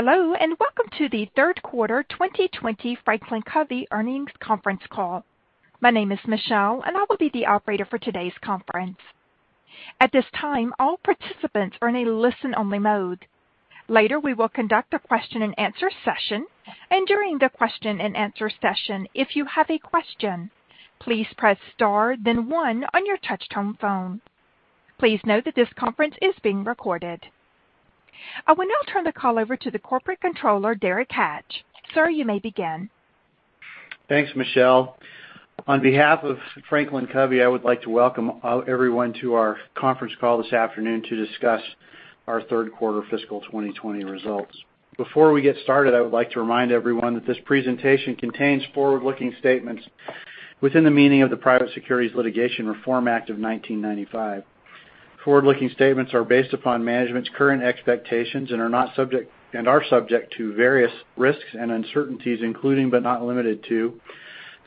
Hello, welcome to the third quarter 2020 FranklinCovey earnings conference call. My name is Michelle, and I will be the operator for today's conference. At this time, all participants are in a listen-only mode. Later, we will conduct a question and answer session, and during the question and answer session, if you have a question, please press star then one on your touch-tone phone. Please note that this conference is being recorded. I will now turn the call over to the Corporate Controller, Derek Hatch. Sir, you may begin. Thanks, Michelle. On behalf of FranklinCovey, I would like to welcome everyone to our conference call this afternoon to discuss our third quarter fiscal 2020 results. Before we get started, I would like to remind everyone that this presentation contains forward-looking statements within the meaning of the Private Securities Litigation Reform Act of 1995. Forward-looking statements are based upon management's current expectations and are subject to various risks and uncertainties, including but not limited to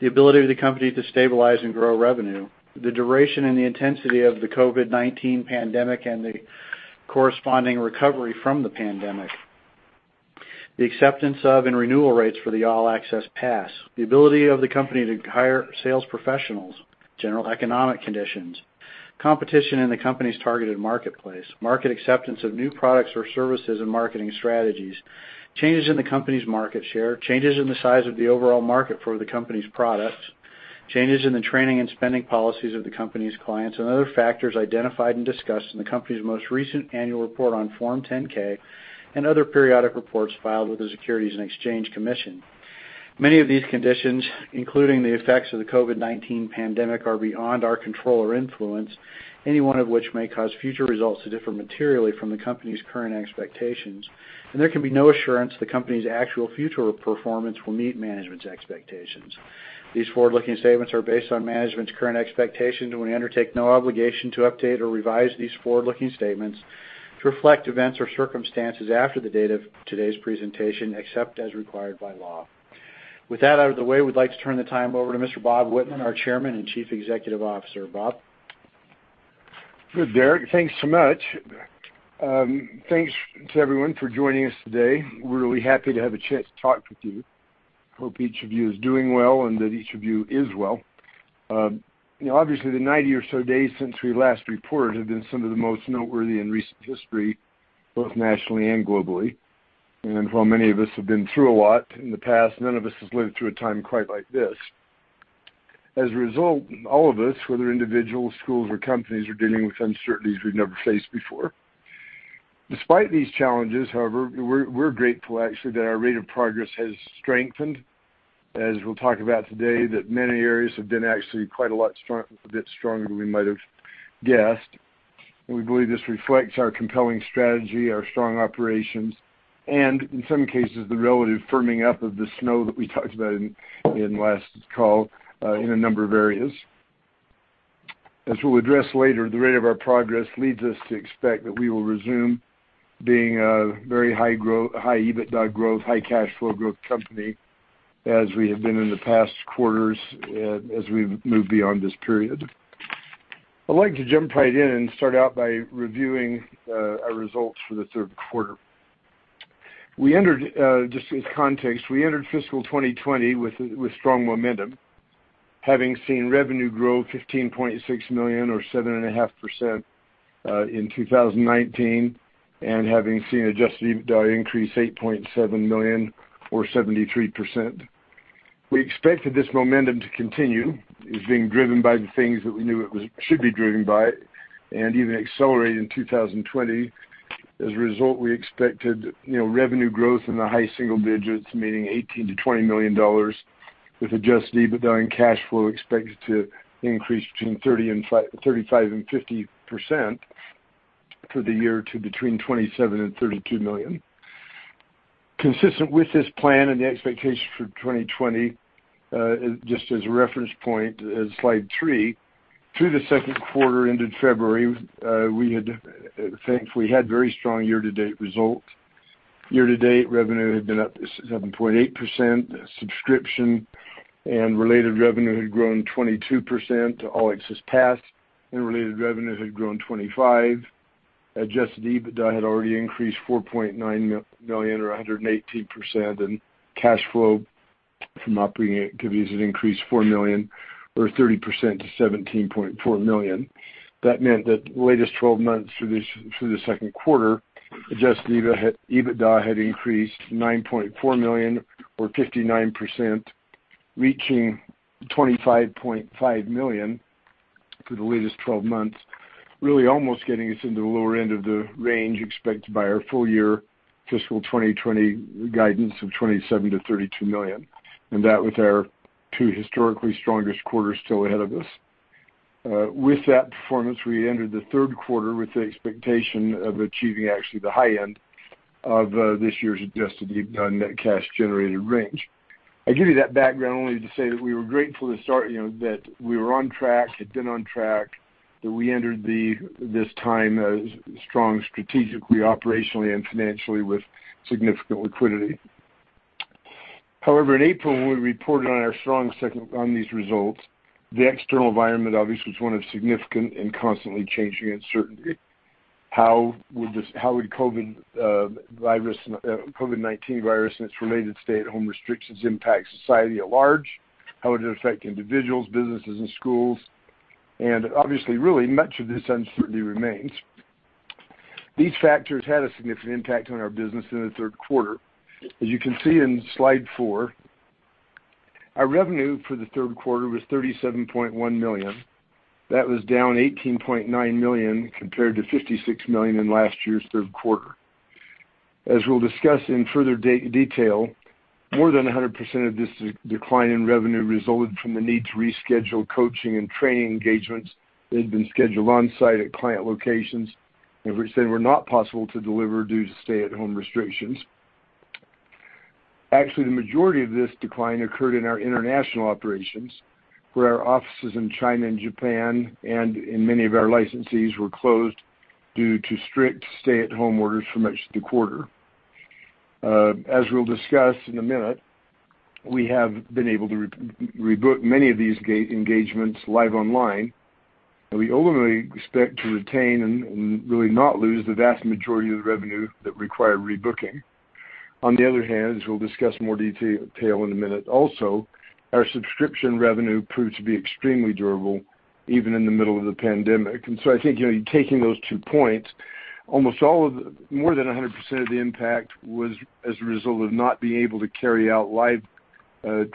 the ability of the company to stabilize and grow revenue, the duration and the intensity of the COVID-19 pandemic and the corresponding recovery from the pandemic, the acceptance of and renewal rates for the All Access Pass, the ability of the company to hire sales professionals, general economic conditions, competition in the company's targeted marketplace, market acceptance of new products or services and marketing strategies, changes in the company's market share, changes in the size of the overall market for the company's products, changes in the training and spending policies of the company's clients and other factors identified and discussed in the company's most recent annual report on Form 10-K and other periodic reports filed with the Securities and Exchange Commission. Many of these conditions, including the effects of the COVID-19 pandemic, are beyond our control or influence, any one of which may cause future results to differ materially from the company's current expectations, and there can be no assurance the company's actual future performance will meet management's expectations. These forward-looking statements are based on management's current expectations, and we undertake no obligation to update or revise these forward-looking statements to reflect events or circumstances after the date of today's presentation, except as required by law. With that out of the way, we'd like to turn the time over to Mr. Bob Whitman, our Chairman and Chief Executive Officer. Bob? Good, Derek. Thanks so much. Thanks to everyone for joining us today. We're really happy to have a chance to talk with you. Hope each of you is doing well and that each of you is well. Obviously, the 90 or so days since we last reported have been some of the most noteworthy in recent history, both nationally and globally. While many of us have been through a lot in the past, none of us has lived through a time quite like this. As a result, all of us, whether individuals, schools, or companies, are dealing with uncertainties we've never faced before. Despite these challenges, however, we're grateful actually that our rate of progress has strengthened, as we'll talk about today, that many areas have been actually quite a lot stronger than we might have guessed. We believe this reflects our compelling strategy, our strong operations, and in some cases, the relative firming up of the slow that we talked about in last call in a number of areas. As we'll address later, the rate of our progress leads us to expect that we will resume being a very high EBITDA growth, high cash flow growth company as we have been in the past quarters as we move beyond this period. I'd like to jump right in and start out by reviewing our results for the third quarter. Just as context, we entered fiscal 2020 with strong momentum, having seen revenue grow $15.6 million or 7.5% in 2019, and having seen adjusted EBITDA increase $8.7 million or 73%. We expected this momentum to continue. It was being driven by the things that we knew it should be driven by and even accelerated in 2020. As a result, we expected revenue growth in the high single digits, meaning $18 million-$20 million, with adjusted EBITDA and cash flow expected to increase between 35% and 50% for the year to between $27 million and $32 million. Consistent with this plan and the expectations for 2020, just as a reference point, slide three, through the second quarter ended February, we had very strong year-to-date results. Year-to-date revenue had been up 7.8%, subscription and related revenue had grown 22%, All Access Pass and related revenues had grown 25%. Adjusted EBITDA had already increased $4.9 million or 118%, and cash flow from operating activities had increased $4 million or 30% to $17.4 million. That meant that the latest 12 months through the second quarter, adjusted EBITDA had increased $9.4 million or 59%, reaching $25.5 million for the latest 12 months, really almost getting us into the lower end of the range expected by our full year fiscal 2020 guidance of $27 million-$32 million, that with our two historically strongest quarters still ahead of us. With that performance, we entered the third quarter with the expectation of achieving actually the high end of this year's adjusted EBITDA net cash generated range. I give you that background only to say that we were grateful to start, that we were on track, had been on track, that we entered this time strong strategically, operationally, and financially with significant liquidity. In April, when we reported on our strong second on these results, the external environment obviously was one of significant and constantly changing uncertainty. How would COVID-19 virus and its related stay-at-home restrictions impact society at large? How would it affect individuals, businesses, and schools? Obviously, really much of this uncertainty remains. These factors had a significant impact on our business in the third quarter. As you can see in slide four, our revenue for the third quarter was $37.1 million. That was down $18.9 million compared to $56 million in last year's third quarter. As we'll discuss in further detail, more than 100% of this decline in revenue resulted from the need to reschedule coaching and training engagements that had been scheduled on-site at client locations and which then were not possible to deliver due to stay-at-home restrictions. Actually, the majority of this decline occurred in our international operations, where our offices in China and Japan and in many of our licensees were closed due to strict stay-at-home orders for much of the quarter. As we'll discuss in a minute, we have been able to rebook many of these engagements live online, and we ultimately expect to retain and really not lose the vast majority of the revenue that required rebooking. On the other hand, as we'll discuss in more detail in a minute also, our subscription revenue proved to be extremely durable, even in the middle of the pandemic. I think, taking those two points, more than 100% of the impact was as a result of not being able to carry out live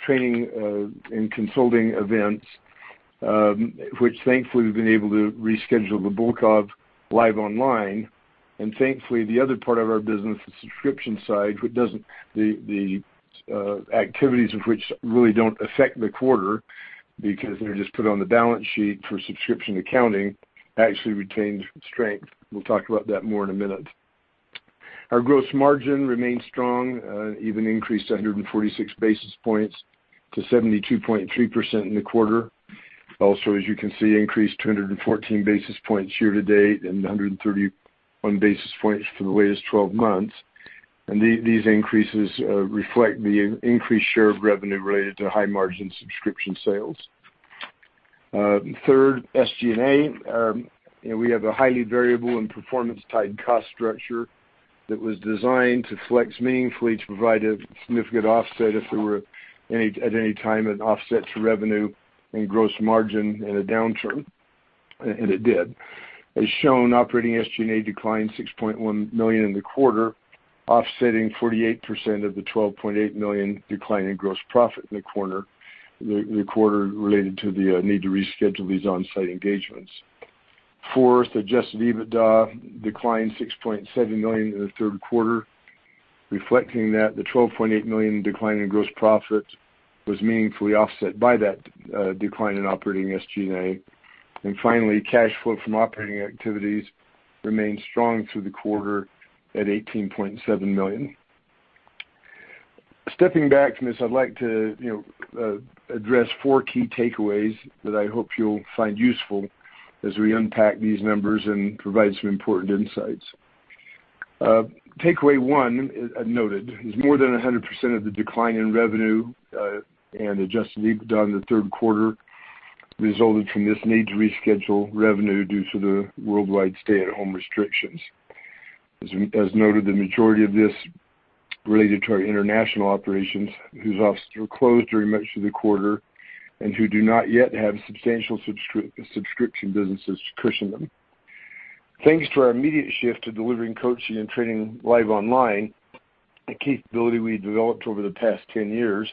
training and consulting events, which thankfully, we've been able to reschedule the bulk of live online. Thankfully, the other part of our business, the subscription side, the activities of which really don't affect the quarter because they're just put on the balance sheet for subscription accounting, actually retained strength. We'll talk about that more in a minute. Our gross margin remained strong, even increased 146 basis points to 72.3% in the quarter. Also, as you can see, increased 214 basis points year to date and 131 basis points for the latest 12 months. These increases reflect the increased share of revenue related to high-margin subscription sales. Third, SG&A. We have a highly variable and performance-tied cost structure that was designed to flex meaningfully to provide a significant offset if there were at any time an offset to revenue and gross margin in a downturn, and it did. As shown, operating SG&A declined $6.1 million in the quarter, offsetting 48% of the $12.8 million decline in gross profit in the quarter related to the need to reschedule these on-site engagements. Fourth, adjusted EBITDA declined $6.7 million in the third quarter, reflecting that the $12.8 million decline in gross profit was meaningfully offset by that decline in operating SG&A. Finally, cash flow from operating activities remained strong through the quarter at $18.7 million. Stepping back from this, I'd like to address four key takeaways that I hope you'll find useful as we unpack these numbers and provide some important insights. Takeaway one, as noted, is more than 100% of the decline in revenue and adjusted EBITDA in the third quarter resulted from this need to reschedule revenue due to the worldwide stay-at-home restrictions. As noted, the majority of this related to our international operations, whose offices were closed during much of the quarter and who do not yet have substantial subscription businesses to cushion them. Thanks to our immediate shift to delivering coaching and training live online, a capability we developed over the past 10 years,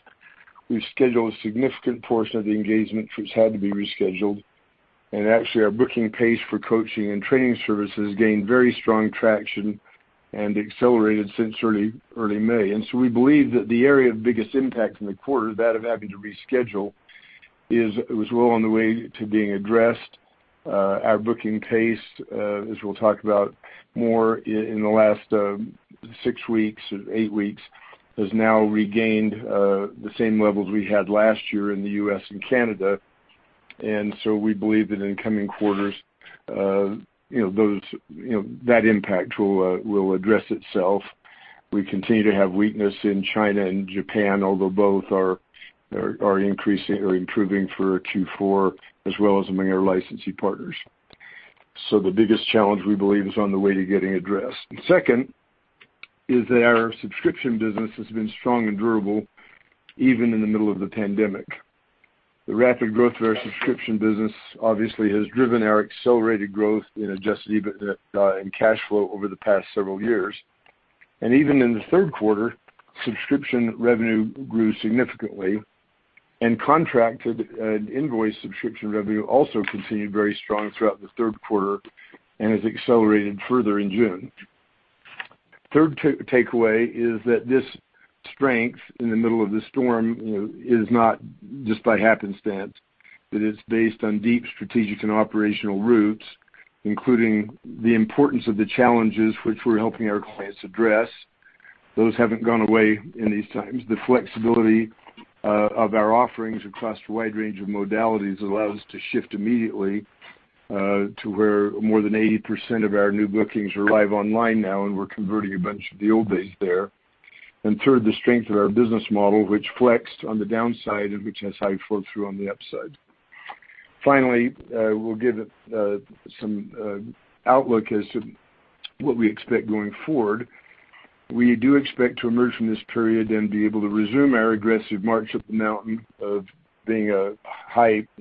we've scheduled a significant portion of the engagements which had to be rescheduled. Actually, our booking pace for coaching and training services gained very strong traction and accelerated since early May. We believe that the area of biggest impact in the quarter, that of having to reschedule, is well on the way to being addressed. Our booking pace, as we'll talk about more, in the last six weeks or eight weeks, has now regained the same levels we had last year in the U.S. and Canada. We believe that in coming quarters, that impact will address itself. We continue to have weakness in China and Japan, although both are increasing or improving for Q4, as well as many of our licensee partners. The biggest challenge, we believe, is on the way to getting addressed. Second is that our subscription business has been strong and durable, even in the middle of the pandemic. The rapid growth of our subscription business obviously has driven our accelerated growth in adjusted EBITDA and cash flow over the past several years. Even in the third quarter, subscription revenue grew significantly, and contracted and invoiced subscription revenue also continued very strong throughout the third quarter and has accelerated further in June. Third takeaway is that this strength in the middle of the storm is not just by happenstance. It is based on deep strategic and operational roots, including the importance of the challenges which we're helping our clients address. Those haven't gone away in these times. The flexibility of our offerings across a wide range of modalities allow us to shift immediately to where more than 80% of our new bookings are live online now, and we're converting a bunch of the old base there. Third, the strength of our business model, which flexed on the downside and which has high flow-through on the upside. Finally, we'll give some outlook as to what we expect going forward. We do expect to emerge from this period and be able to resume our aggressive march up the mountain of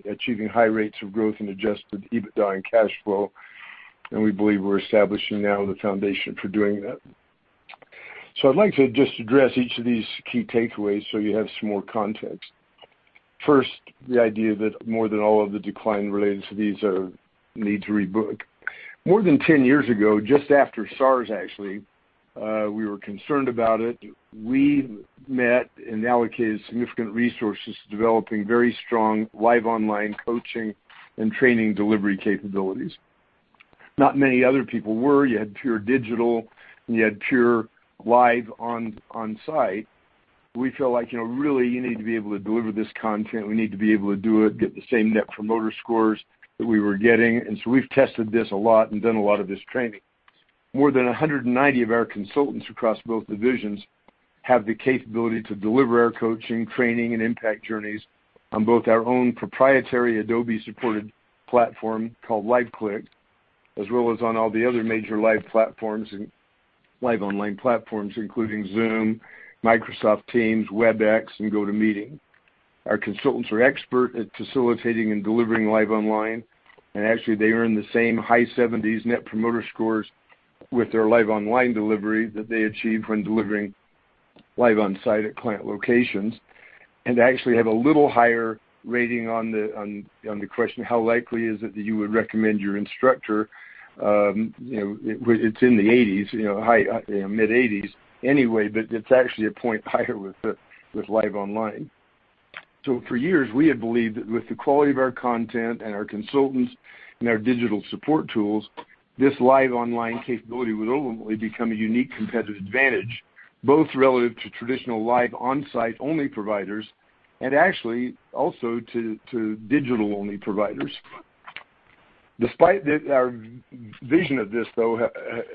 achieving high rates of growth and adjusted EBITDA and cash flow, and we believe we're establishing now the foundation for doing that. I'd like to just address each of these key takeaways so you have some more context. First, the idea that more than all of the decline related to these need to rebook. More than 10 years ago, just after SARS, actually, we were concerned about it. We met and allocated significant resources to developing very strong live online coaching and training delivery capabilities. Not many other people were. You had pure digital, and you had pure live on-site. We feel like really you need to be able to deliver this content. We need to be able to do it, get the same Net Promoter Scores that we were getting. We've tested this a lot and done a lot of this training. More than 190 of our consultants across both divisions have the capability to deliver our coaching, training, and impact journeys on both our own proprietary Adobe-supported platform called LiveClicks, as well as on all the other major live online platforms, including Zoom, Microsoft Teams, Webex, and GoToMeeting. Our consultants are expert at facilitating and delivering live online. Actually, they earn the same high 70s Net Promoter Score with their live online delivery that they achieve when delivering live on-site at client locations, and actually have a little higher rating on the question of how likely is it that you would recommend your instructor? It's in the 80s, mid-80s anyway, but it's actually a point higher with live online. For years, we had believed that with the quality of our content and our consultants and our digital support tools, this live online capability would ultimately become a unique competitive advantage, both relative to traditional live on-site only providers and actually also to digital-only providers. Despite our vision of this, though,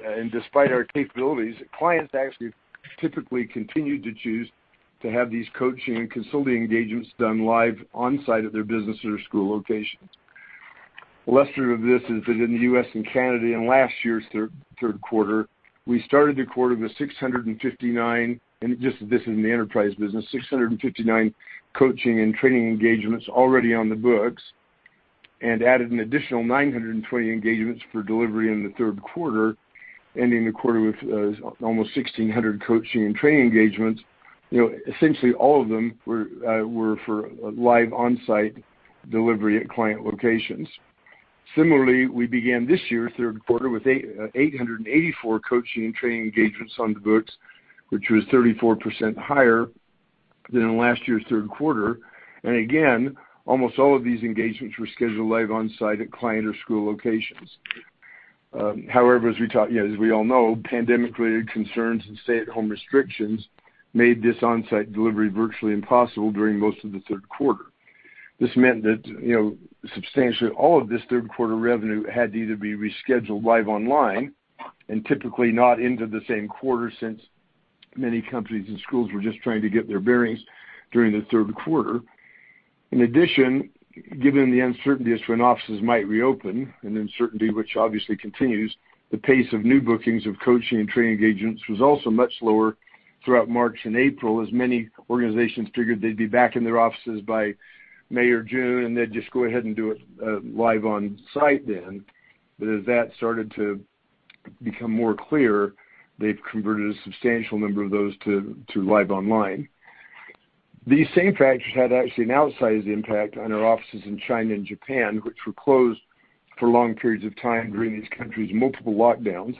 and despite our capabilities, clients actually typically continued to choose to have these coaching and consulting engagements done live on-site at their business or school locations. Illustrative of this is that in the U.S. and Canada in last year's third quarter, we started the quarter with 659, and this is in the enterprise business, 659 coaching and training engagements already on the books and added an additional 920 engagements for delivery in the third quarter, ending the quarter with almost 1,600 coaching and training engagements. Essentially all of them were for live on-site delivery at client locations. Similarly, we began this year's third quarter with 884 coaching and training engagements on the books, which was 34% higher than last year's third quarter. Almost all of these engagements were scheduled live on-site at client or school locations. As we all know, pandemic-related concerns and stay-at-home restrictions made this on-site delivery virtually impossible during most of the third quarter. Substantially all of this third quarter revenue had to either be rescheduled live online and typically not into the same quarter, since many companies and schools were just trying to get their bearings during the third quarter. In addition, given the uncertainty as to when offices might reopen, an uncertainty which obviously continues, the pace of new bookings of coaching and training engagements was also much lower throughout March and April, as many organizations figured they'd be back in their offices by May or June, and they'd just go ahead and do it live on-site then. As that started to become more clear, they've converted a substantial number of those to live online. These same factors had actually an outsized impact on our offices in China and Japan, which were closed for long periods of time during these countries' multiple lockdowns,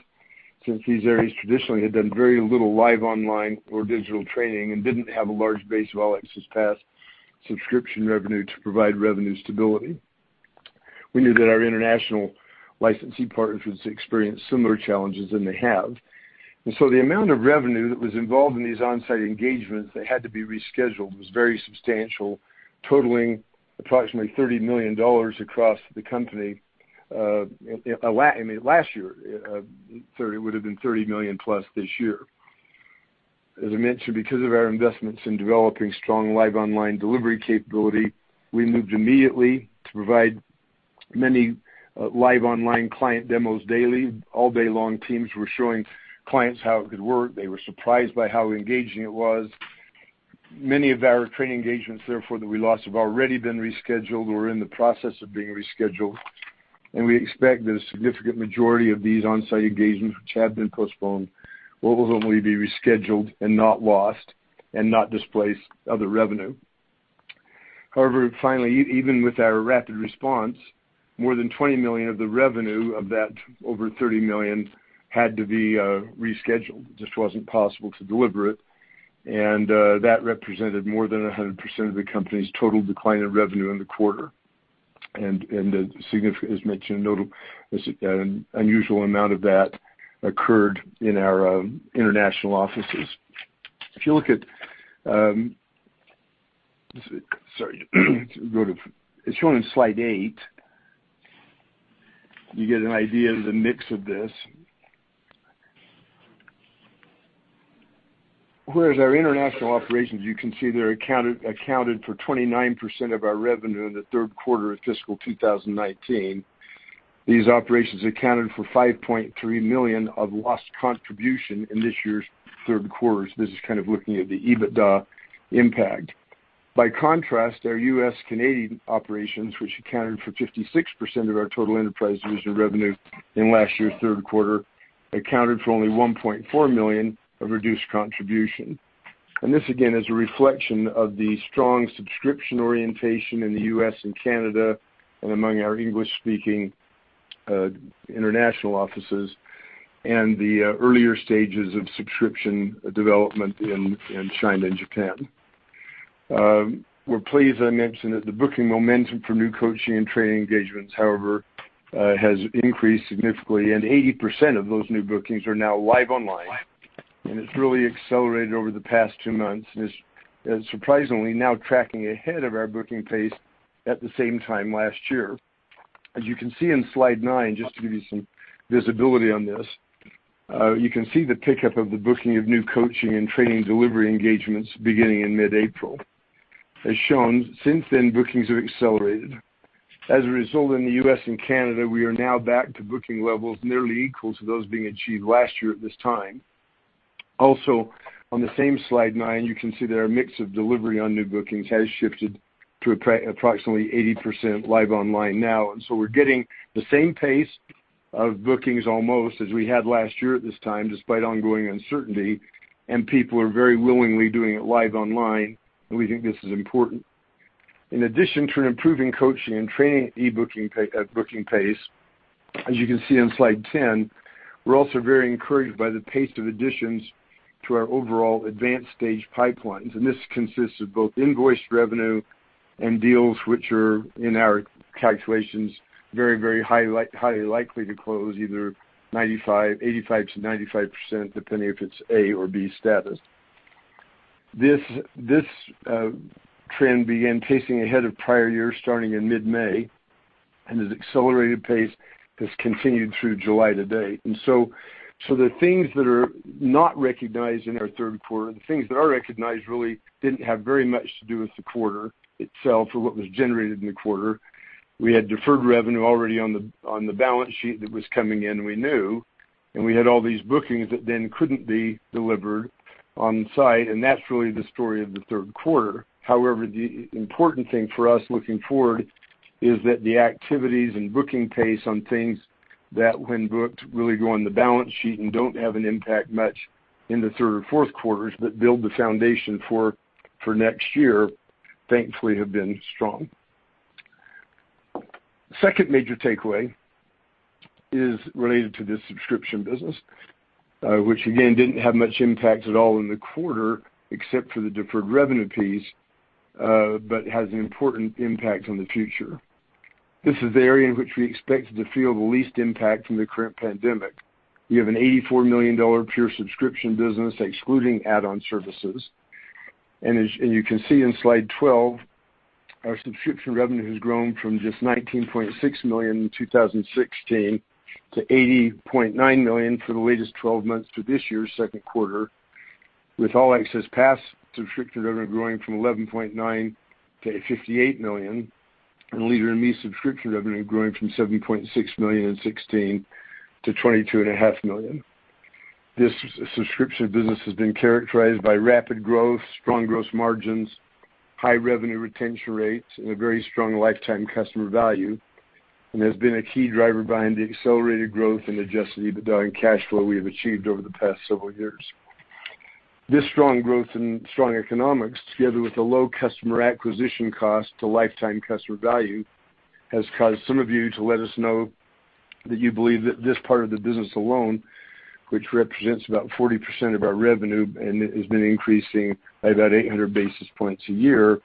since these areas traditionally had done very little live online or digital training and didn't have a large base of All Access Pass subscription revenue to provide revenue stability. We knew that our international licensee partners would experience similar challenges, and they have. The amount of revenue that was involved in these on-site engagements that had to be rescheduled was very substantial, totaling approximately $30 million across the company. I mean, last year, it would have been $30 million plus this year. As I mentioned, because of our investments in developing strong live online delivery capability, we moved immediately to provide many live online client demos daily. All day long, teams were showing clients how it could work. They were surprised by how engaging it was. Many of our training engagements, therefore, that we lost have already been rescheduled or are in the process of being rescheduled, and we expect that a significant majority of these on-site engagements which have been postponed will ultimately be rescheduled and not lost and not displace other revenue. However, finally, even with our rapid response, more than $20 million of the revenue of that over $30 million had to be rescheduled. It just wasn't possible to deliver it. That represented more than 100% of the company's total decline in revenue in the quarter. As mentioned, an unusual amount of that occurred in our international offices. Sorry. It's shown in slide eight. You get an idea of the mix of this. Whereas our international operations, you can see there, accounted for 29% of our revenue in the third quarter of fiscal 2019. These operations accounted for $5.3 million of lost contribution in this year's third quarter. This is kind of looking at the EBITDA impact. By contrast, our U.S., Canadian operations, which accounted for 56% of our total enterprise division revenue in last year's third quarter, accounted for only $1.4 million of reduced contribution. This, again, is a reflection of the strong subscription orientation in the U.S. and Canada and among our English-speaking international offices and the earlier stages of subscription development in China and Japan. We're pleased to mention that the booking momentum for new coaching and training engagements, however, has increased significantly, 80% of those new bookings are now live online. It's really accelerated over the past two months, is surprisingly now tracking ahead of our booking pace at the same time last year. As you can see in slide nine, just to give you some visibility on this, you can see the pickup of the booking of new coaching and training delivery engagements beginning in mid-April. As shown, since then, bookings have accelerated. As a result, in the U.S. and Canada, we are now back to booking levels nearly equal to those being achieved last year at this time. Also, on the same slide nine, you can see that our mix of delivery on new bookings has shifted to approximately 80% live online now. We're getting the same pace of bookings almost as we had last year at this time, despite ongoing uncertainty, and people are very willingly doing it live online, and we think this is important. In addition to an improving coaching and training booking pace, as you can see on slide 10, we're also very encouraged by the pace of additions to our overall advanced stage pipelines. This consists of both invoiced revenue and deals which are, in our calculations, very highly likely to close either 85%-95%, depending if it's A or B status. This trend began pacing ahead of prior years starting in mid-May, and its accelerated pace has continued through July to date. The things that are not recognized in our third quarter, the things that are recognized really didn't have very much to do with the quarter itself or what was generated in the quarter. We had deferred revenue already on the balance sheet that was coming in, we knew, and we had all these bookings that then couldn't be delivered on-site, and that's really the story of the third quarter. However, the important thing for us looking forward is that the activities and booking pace on things that when booked, really go on the balance sheet and don't have an impact much in the third or fourth quarters but build the foundation for next year, thankfully have been strong. Second major takeaway is related to the subscription business, which again, didn't have much impact at all in the quarter except for the deferred revenue piece, but has an important impact on the future. This is the area in which we expected to feel the least impact from the current pandemic. We have an $84 million pure subscription business, excluding add-on services. As you can see in slide 12, our subscription revenue has grown from just $19.6 million in 2016 to $80.9 million for the latest 12 months to this year's second quarter, with All Access Pass subscription revenue growing from $11.9 to $58 million, and Leader in Me subscription revenue growing from $7.6 million in 2016 to $22.5 million. This subscription business has been characterized by rapid growth, strong gross margins, high revenue retention rates, and a very strong lifetime customer value, and has been a key driver behind the accelerated growth in adjusted EBITDA and cash flow we have achieved over the past several years. This strong growth and strong economics, together with a low customer acquisition cost to lifetime customer value, has caused some of you to let us know that you believe that this part of the business alone, which represents about 40% of our revenue and has been increasing by about 800 basis points a year,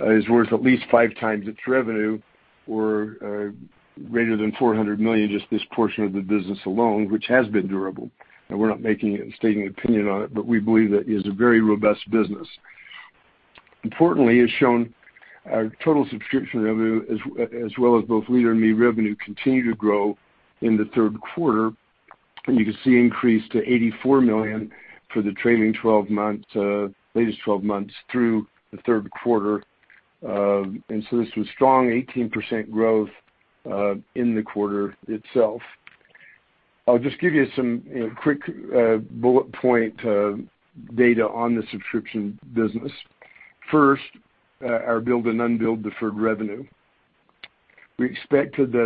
is worth at least 5 times its revenue or greater than $400 million, just this portion of the business alone, which has been durable. Now we're not making it and stating an opinion on it, but we believe that is a very robust business. Importantly, as shown, our total subscription revenue, as well as both Leader in Me revenue, continued to grow in the third quarter, and you can see increased to $84 million for the latest 12 months through the third quarter. This was strong 18% growth in the quarter itself. I'll just give you some quick bullet point data on the subscription business. First, our billed and unbilled deferred revenue. We expected that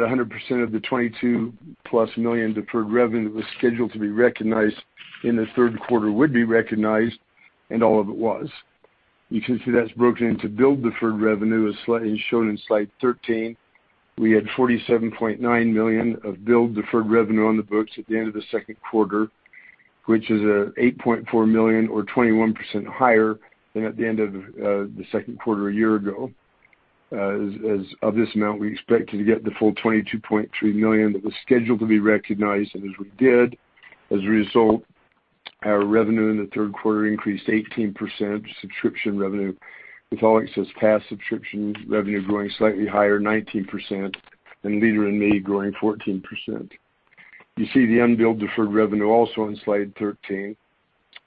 100% of the $22+ million deferred revenue that was scheduled to be recognized in the third quarter would be recognized, and all of it was. You can see that's broken into billed deferred revenue, as shown in slide 13. We had $47.9 million of billed deferred revenue on the books at the end of the second quarter, which is an $8.4 million or 21% higher than at the end of the second quarter a year ago. Of this amount, we expected to get the full $22.3 million that was scheduled to be recognized, and as we did, as a result, our revenue in the third quarter increased 18%, subscription revenue with All Access Pass subscription revenue growing slightly higher, 19%, and Leader in Me growing 14%. You see the unbilled deferred revenue also on slide 13,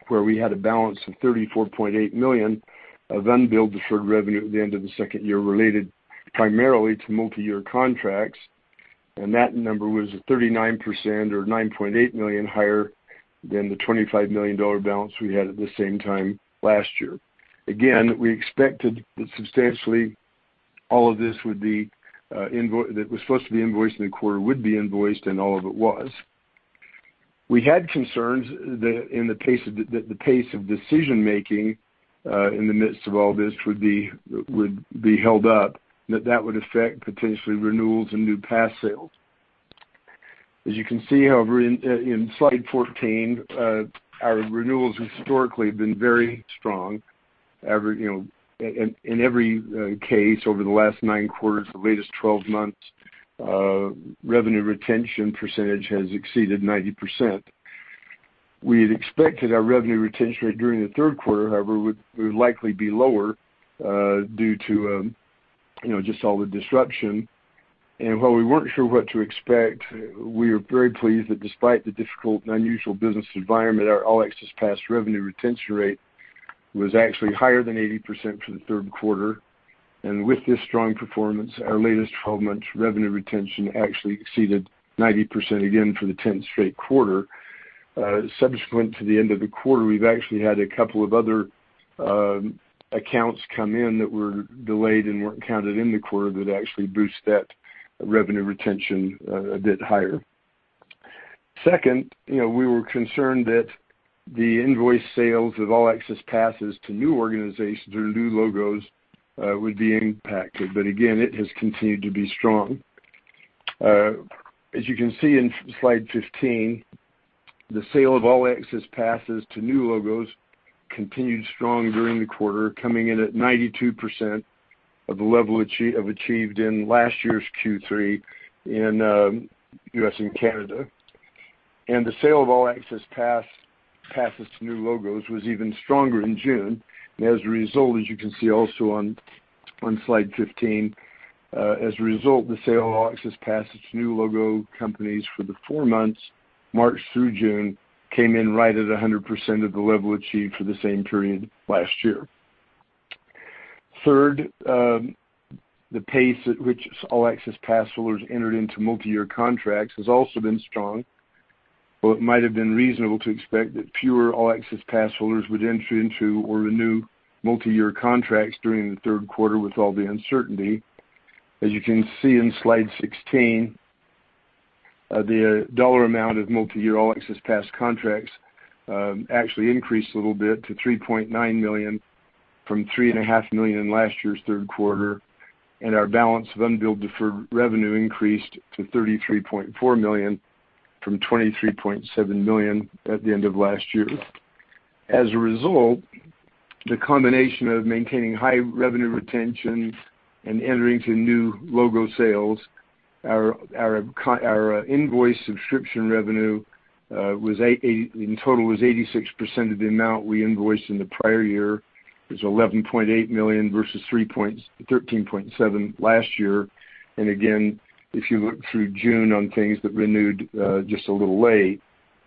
where we had a balance of $34.8 million of unbilled deferred revenue at the end of the second year related primarily to multi-year contracts. That number was a 39% or $9.8 million higher than the $25 million balance we had at the same time last year. Again, we expected that substantially all of this that was supposed to be invoiced in the quarter would be invoiced and all of it was. We had concerns that the pace of decision-making in the midst of all this would be held up, and that would affect potentially renewals and new pass sales. As you can see, however, in slide 14, our renewals historically have been very strong. In every case over the last nine quarters, the latest 12 months, revenue retention percentage has exceeded 90%. We had expected our revenue retention rate during the third quarter, however, would likely be lower due to just all the disruption. While we weren't sure what to expect, we are very pleased that despite the difficult and unusual business environment, our All Access Pass revenue retention rate was actually higher than 80% for the third quarter. With this strong performance, our latest 12-month revenue retention actually exceeded 90% again for the 10th straight quarter. Subsequent to the end of the quarter, we've actually had a couple of other accounts come in that were delayed and weren't counted in the quarter that actually boost that revenue retention a bit higher. Second, we were concerned that the invoice sales of All Access Passes to new organizations or new logos would be impacted. Again, it has continued to be strong. As you can see in slide 15, the sale of All Access Passes to new logos continued strong during the quarter, coming in at 92% of the level achieved in last year's Q3 in U.S. and Canada. The sale of All Access Passes to new logos was even stronger in June. As a result, as you can see also on slide 15, the sale of All Access Passes to new logo companies for the four months, March through June, came in right at 100% of the level achieved for the same period last year. Third, the pace at which All Access Pass holders entered into multi-year contracts has also been strong. While it might have been reasonable to expect that fewer All Access Pass holders would enter into or renew multi-year contracts during the third quarter with all the uncertainty. As you can see in slide 16, the dollar amount of multi-year All Access Pass contracts actually increased a little bit to $3.9 million from $3.5 million in last year's third quarter. Our balance of unbilled deferred revenue increased to $33.4 million from $23.7 million at the end of last year. As a result, the combination of maintaining high revenue retention and entering into new logo sales, our invoice subscription revenue in total was 86% of the amount we invoiced in the prior year. It was $11.8 million versus $13.7 last year. Again, if you look through June on things that renewed just a little late,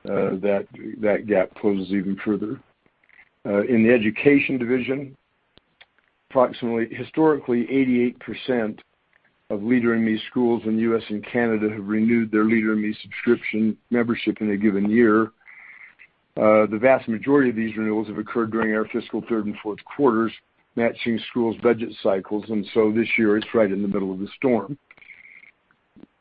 that gap closes even further. In the education division, approximately historically 88% of Leader in Me schools in U.S. and Canada have renewed their Leader in Me subscription membership in a given year. The vast majority of these renewals have occurred during our fiscal third and fourth quarters, matching schools' budget cycles. This year, it's right in the middle of the storm.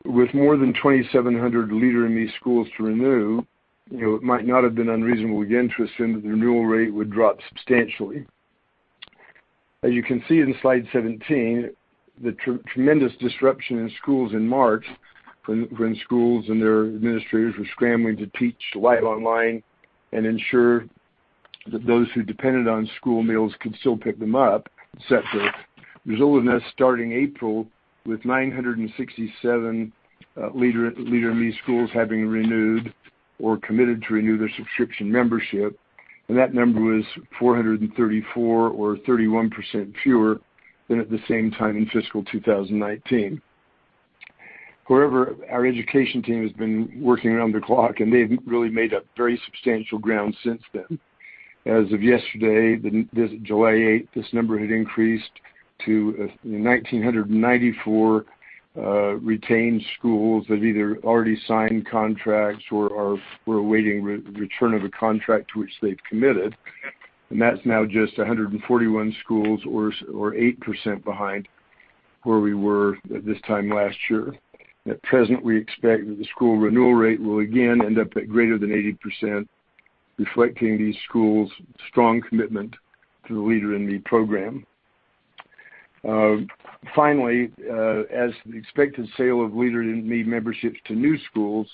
With more than 2,700 Leader in Me schools to renew, it might not have been unreasonable to enter assuming that the renewal rate would drop substantially. As you can see in slide 17, the tremendous disruption in schools in March, when schools and their administrators were scrambling to teach live online and ensure that those who depended on school meals could still pick them up, et cetera. Result of that, starting April with 967 Leader in Me schools having renewed or committed to renew their subscription membership. That number was 434 or 31% fewer than at the same time in fiscal 2019. Our Education team has been working around the clock, and they've really made up very substantial ground since then. As of yesterday, July 8th, this number had increased to 1,994 retained schools that have either already signed contracts or are awaiting return of a contract to which they've committed. That's now just 141 schools or 8% behind where we were at this time last year. At present, we expect that the school renewal rate will again end up at greater than 80%, reflecting these schools' strong commitment to the Leader in Me program. As the expected sale of Leader in Me memberships to new schools,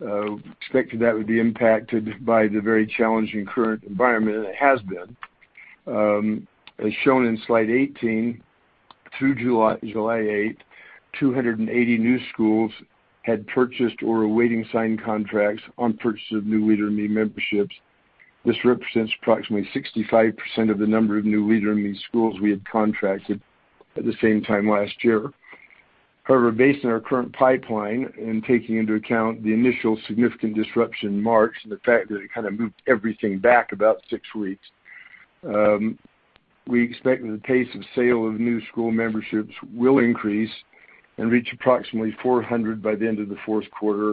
expected that would be impacted by the very challenging current environment, and it has been. As shown in slide 18-Through July 8th, 280 new schools had purchased or are awaiting signed contracts on purchase of new Leader in Me memberships. This represents approximately 65% of the number of new Leader in Me schools we had contracted at the same time last year. However, based on our current pipeline and taking into account the initial significant disruption in March and the fact that it kind of moved everything back about six weeks, we expect that the pace of sale of new school memberships will increase and reach approximately 400 by the end of the fourth quarter.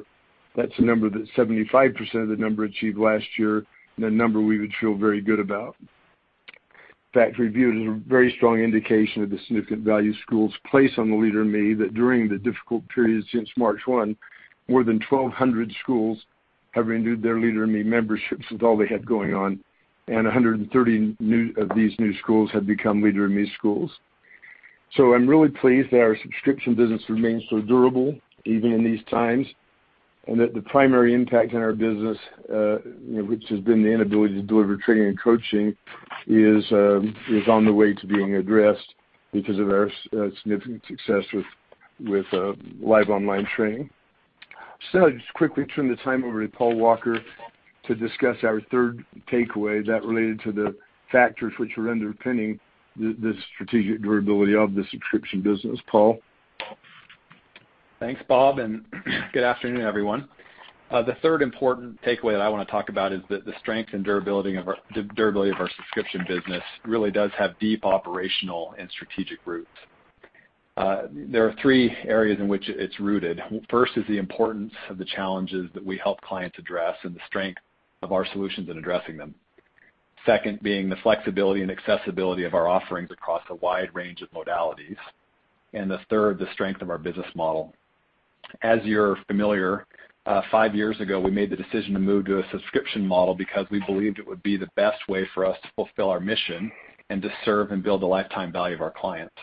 That's a number that's 75% of the number achieved last year, and a number we would feel very good about. In fact, we view it as a very strong indication of the significant value schools place on the Leader in Me that during the difficult period since March 1, more than 1,200 schools have renewed their Leader in Me memberships with all they had going on, and 130 of these new schools have become Leader in Me schools. I'm really pleased that our subscription business remains so durable, even in these times, and that the primary impact on our business, which has been the inability to deliver training and coaching, is on the way to being addressed because of our significant success with live online training. I'll just quickly turn the time over to Paul Walker to discuss our third takeaway that related to the factors which were underpinning the strategic durability of the subscription business. Paul? Thanks, Bob. Good afternoon, everyone. The third important takeaway that I want to talk about is that the strength and durability of our subscription business really does have deep operational and strategic roots. There are three areas in which it's rooted. First is the importance of the challenges that we help clients address and the strength of our solutions in addressing them. Second being the flexibility and accessibility of our offerings across a wide range of modalities. The third, the strength of our business model. As you're familiar, five years ago, we made the decision to move to a subscription model because we believed it would be the best way for us to fulfill our mission and to serve and build the lifetime value of our clients.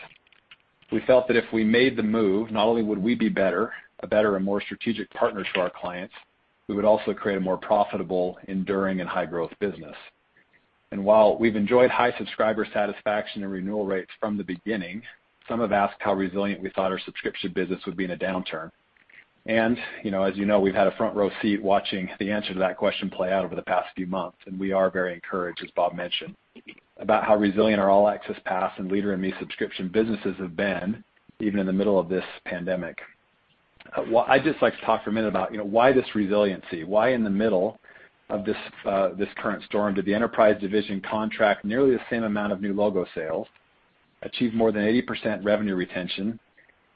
We felt that if we made the move, not only would we be better, a better and more strategic partner to our clients, we would also create a more profitable, enduring, and high-growth business. While we've enjoyed high subscriber satisfaction and renewal rates from the beginning, some have asked how resilient we thought our subscription business would be in a downturn. As you know, we've had a front row seat watching the answer to that question play out over the past few months, and we are very encouraged, as Bob mentioned, about how resilient our All Access Pass and Leader in Me subscription businesses have been, even in the middle of this pandemic. I'd just like to talk for a minute about why this resiliency. Why in the middle of this current storm did the enterprise division contract nearly the same amount of new logo sales, achieve more than 80% revenue retention,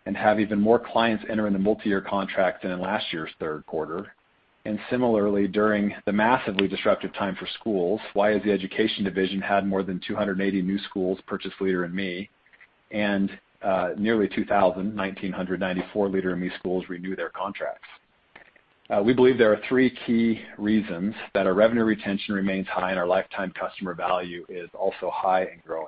and have even more clients enter into multi-year contracts than in last year's third quarter? Similarly, during the massively disruptive time for schools, why has the education division had more than 280 new schools purchase Leader in Me and nearly 1,994 Leader in Me schools renew their contracts? We believe there are three key reasons that our revenue retention remains high and our lifetime customer value is also high and growing.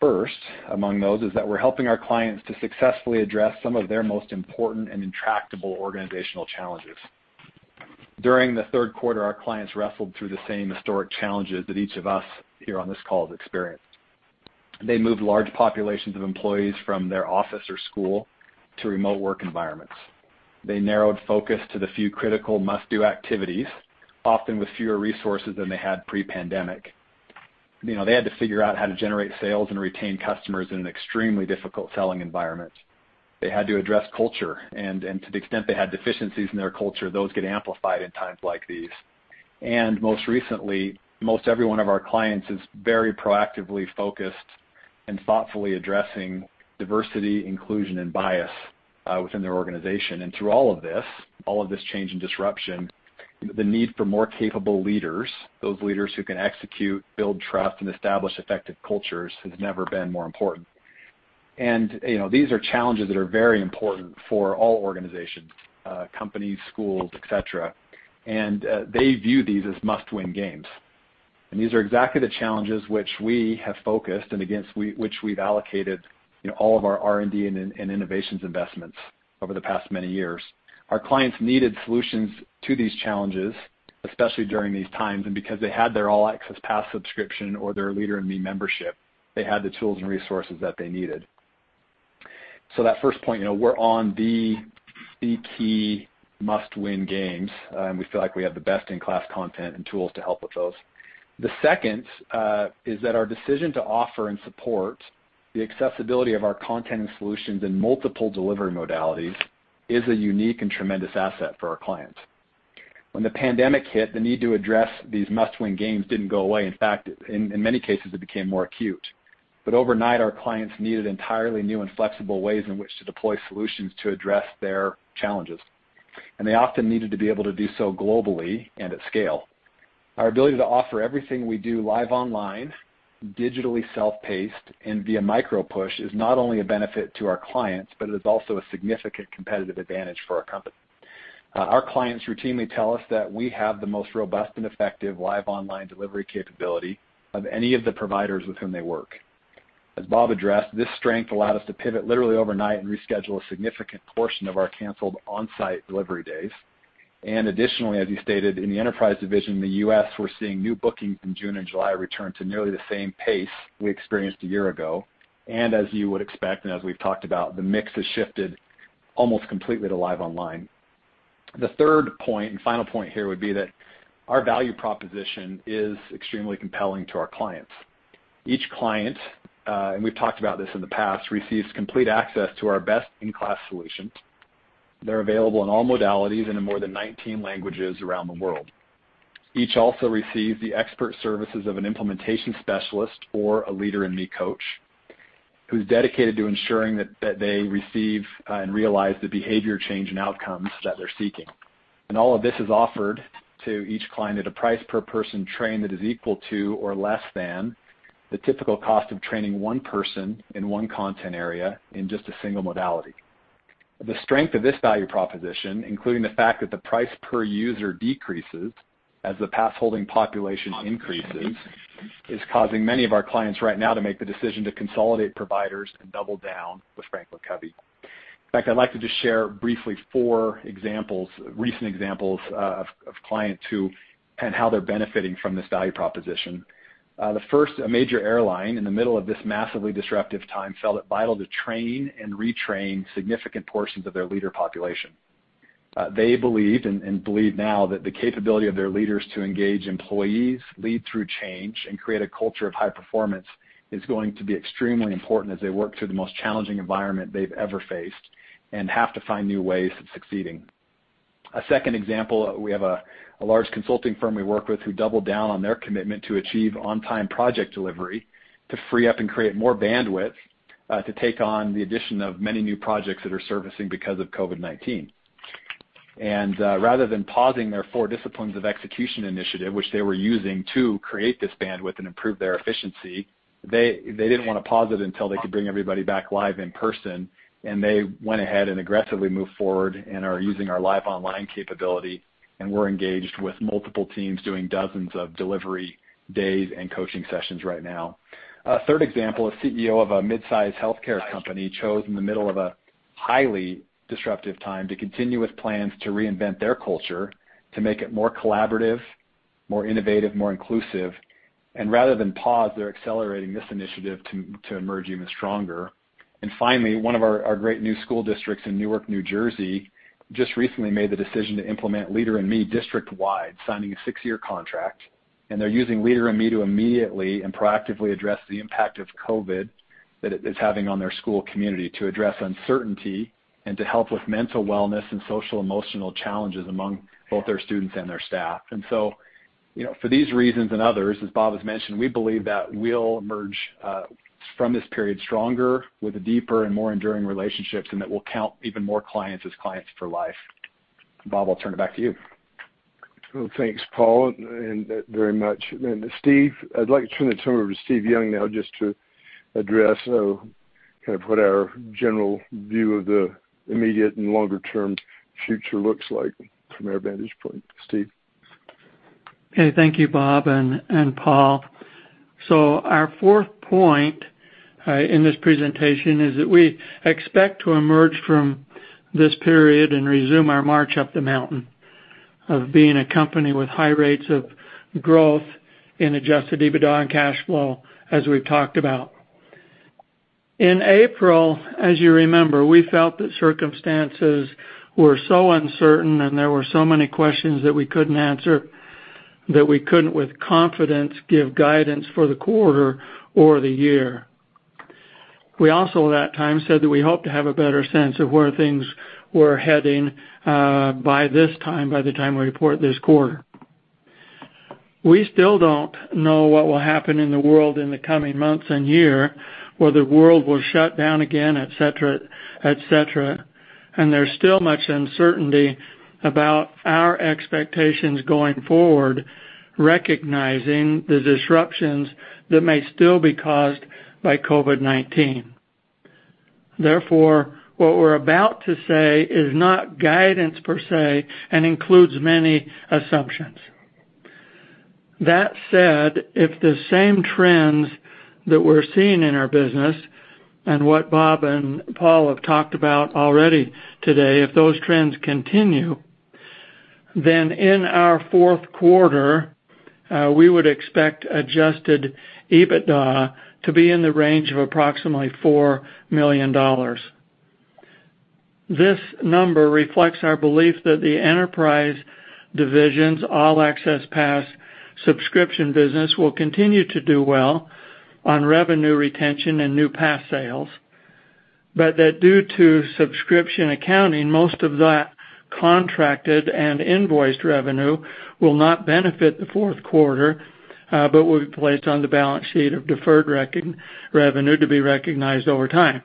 First among those is that we're helping our clients to successfully address some of their most important and intractable organizational challenges. During the third quarter, our clients wrestled through the same historic challenges that each of us here on this call has experienced. They moved large populations of employees from their office or school to remote work environments. They narrowed focus to the few critical must-do activities, often with fewer resources than they had pre-pandemic. They had to figure out how to generate sales and retain customers in an extremely difficult selling environment. They had to address culture and to the extent they had deficiencies in their culture, those get amplified in times like these. Most recently, most every one of our clients is very proactively focused and thoughtfully addressing diversity, inclusion, and bias within their organization. Through all of this, all of this change and disruption, the need for more capable leaders, those leaders who can execute, build trust, and establish effective cultures has never been more important. These are challenges that are very important for all organizations, companies, schools, et cetera, and they view these as must-win games. These are exactly the challenges which we have focused and against which we've allocated all of our R&D and innovations investments over the past many years. Our clients needed solutions to these challenges, especially during these times. Because they had their All Access Pass subscription or their Leader in Me membership, they had the tools and resources that they needed. That first point, we're on the key must-win games, and we feel like we have the best-in-class content and tools to help with those. The second is that our decision to offer and support the accessibility of our content and solutions in multiple delivery modalities is a unique and tremendous asset for our clients. When the pandemic hit, the need to address these must-win games didn't go away. In fact, in many cases, it became more acute. Overnight, our clients needed entirely new and flexible ways in which to deploy solutions to address their challenges. They often needed to be able to do so globally and at scale. Our ability to offer everything we do live online, digitally self-paced, and via micro-push is not only a benefit to our clients, but it is also a significant competitive advantage for our company. Our clients routinely tell us that we have the most robust and effective live online delivery capability of any of the providers with whom they work. As Bob addressed, this strength allowed us to pivot literally overnight and reschedule a significant portion of our canceled on-site delivery days. Additionally, as you stated, in the enterprise division in the U.S., we're seeing new bookings in June and July return to nearly the same pace we experienced a year ago. As you would expect, as we've talked about, the mix has shifted almost completely to live online. The third point and final point here would be that our value proposition is extremely compelling to our clients. Each client, and we've talked about this in the past, receives complete access to our best-in-class solution. They're available in all modalities and in more than 19 languages around the world. Each also receives the expert services of an implementation specialist or a Leader in Me coach who's dedicated to ensuring that they receive and realize the behavior change and outcomes that they're seeking. All of this is offered to each client at a price per person trained that is equal to or less than the typical cost of training one person in one content area in just a single modality. The strength of this value proposition, including the fact that the price per user decreases as the pass-holding population increases, is causing many of our clients right now to make the decision to consolidate providers and double down with FranklinCovey. In fact, I'd like to just share briefly four recent examples of clients who and how they're benefiting from this value proposition. The first, a major airline in the middle of this massively disruptive time, felt it vital to train and retrain significant portions of their leader population. They believed and believe now that the capability of their leaders to engage employees, lead through change, and create a culture of high performance is going to be extremely important as they work through the most challenging environment they've ever faced and have to find new ways of succeeding. A second example, we have a large consulting firm we work with who doubled down on their commitment to achieve on-time project delivery to free up and create more bandwidth to take on the addition of many new projects that are surfacing because of COVID-19. Rather than pausing their The 4 Disciplines of Execution initiative, which they were using to create this bandwidth and improve their efficiency, they didn't want to pause it until they could bring everybody back live in person, and they went ahead and aggressively moved forward and are using our live online capability, and we're engaged with multiple teams doing dozens of delivery days and coaching sessions right now. A third example, a CEO of a mid-size healthcare company chose in the middle of a highly disruptive time to continue with plans to reinvent their culture to make it more collaborative, more innovative, more inclusive. Rather than pause, they're accelerating this initiative to emerge even stronger. Finally, one of our great new school districts in Newark, New Jersey, just recently made the decision to implement Leader in Me district-wide, signing a six-year contract, and they're using Leader in Me to immediately and proactively address the impact of COVID that it is having on their school community to address uncertainty and to help with mental wellness and social emotional challenges among both their students and their staff. For these reasons and others, as Bob has mentioned, we believe that we'll emerge from this period stronger with deeper and more enduring relationships, and that we'll count even more clients as clients for life. Bob, I'll turn it back to you. Well, thanks, Paul, very much. Steve, I'd like to turn it over to Steve Young now just to address kind of what our general view of the immediate and longer-term future looks like from our vantage point. Steve. Okay. Thank you, Bob and Paul. Our fourth point in this presentation is that we expect to emerge from this period and resume our march up the mountain of being a company with high rates of growth in adjusted EBITDA and cash flow, as we've talked about. In April, as you remember, we felt that circumstances were so uncertain and there were so many questions that we couldn't answer that we couldn't with confidence give guidance for the quarter or the year. We also, at that time, said that we hoped to have a better sense of where things were heading by this time, by the time we report this quarter. We still don't know what will happen in the world in the coming months and year, whether world will shut down again, et cetera. There's still much uncertainty about our expectations going forward, recognizing the disruptions that may still be caused by COVID-19. Therefore, what we're about to say is not guidance per se and includes many assumptions. That said, if the same trends that we're seeing in our business and what Bob and Paul have talked about already today, if those trends continue, in our fourth quarter, we would expect adjusted EBITDA to be in the range of approximately $4 million. This number reflects our belief that the enterprise division's All Access Pass subscription business will continue to do well on revenue retention and new pass sales. That due to subscription accounting, most of that contracted and invoiced revenue will not benefit the fourth quarter, but will be placed on the balance sheet of deferred revenue to be recognized over time.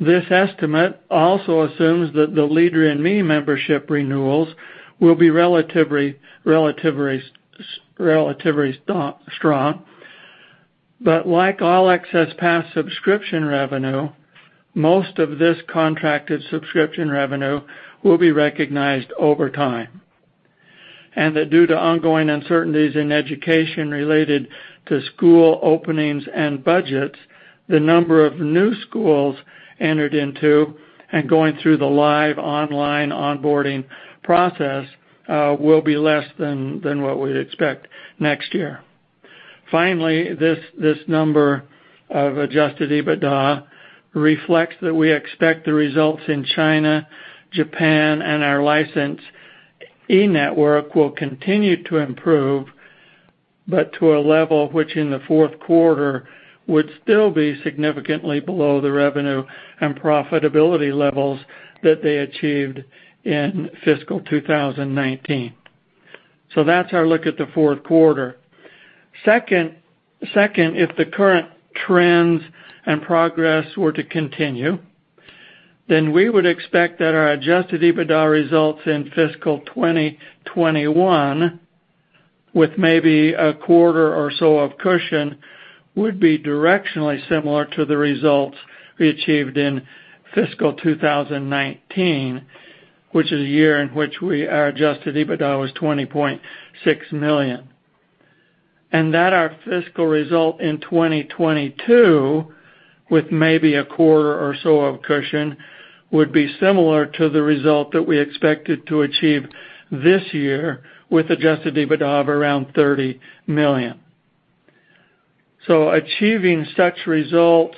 This estimate also assumes that the Leader in Me membership renewals will be relatively strong. Like All Access Pass subscription revenue, most of this contracted subscription revenue will be recognized over time. Due to ongoing uncertainties in education related to school openings and budgets, the number of new schools entered into and going through the live online onboarding process will be less than what we'd expect next year. Finally, this number of adjusted EBITDA reflects that we expect the results in China, Japan, and our licensee network will continue to improve, but to a level which in the fourth quarter would still be significantly below the revenue and profitability levels that they achieved in fiscal 2019. That's our look at the fourth quarter. If the current trends and progress were to continue, then we would expect that our adjusted EBITDA results in fiscal 2021 with maybe a quarter or so of cushion, would be directionally similar to the results we achieved in fiscal 2019, which is a year in which our adjusted EBITDA was $20.6 million. That our fiscal result in 2022, with maybe a quarter or so of cushion, would be similar to the result that we expected to achieve this year with adjusted EBITDA of around $30 million. Achieving such results,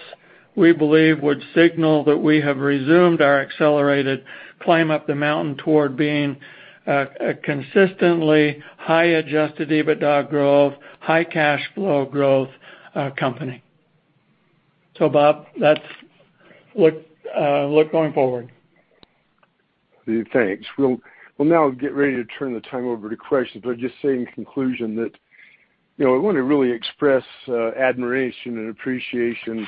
we believe would signal that we have resumed our accelerated climb up the mountain toward being a consistently high adjusted EBITDA growth, high cash flow growth company. Bob, that's look going forward. Thanks. We'll now get ready to turn the time over to questions. Just say in conclusion that I want to really express admiration and appreciation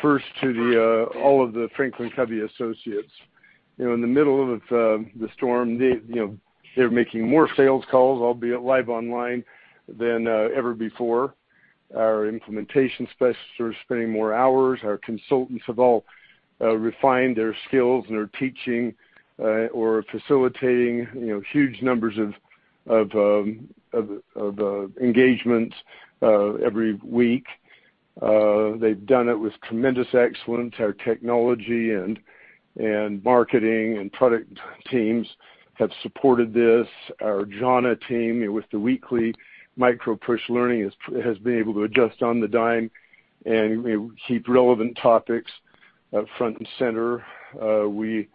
first to all of the FranklinCovey associates. In the middle of the storm, they're making more sales calls, albeit live online, than ever before. Our implementation specialists are spending more hours. Our consultants have all refined their skills and are teaching or facilitating huge numbers of engagements every week. They've done it with tremendous excellence. Our technology and marketing and product teams have supported this. Our Jhana team with the weekly micro-push learning has been able to adjust on the dime and keep relevant topics front and center. We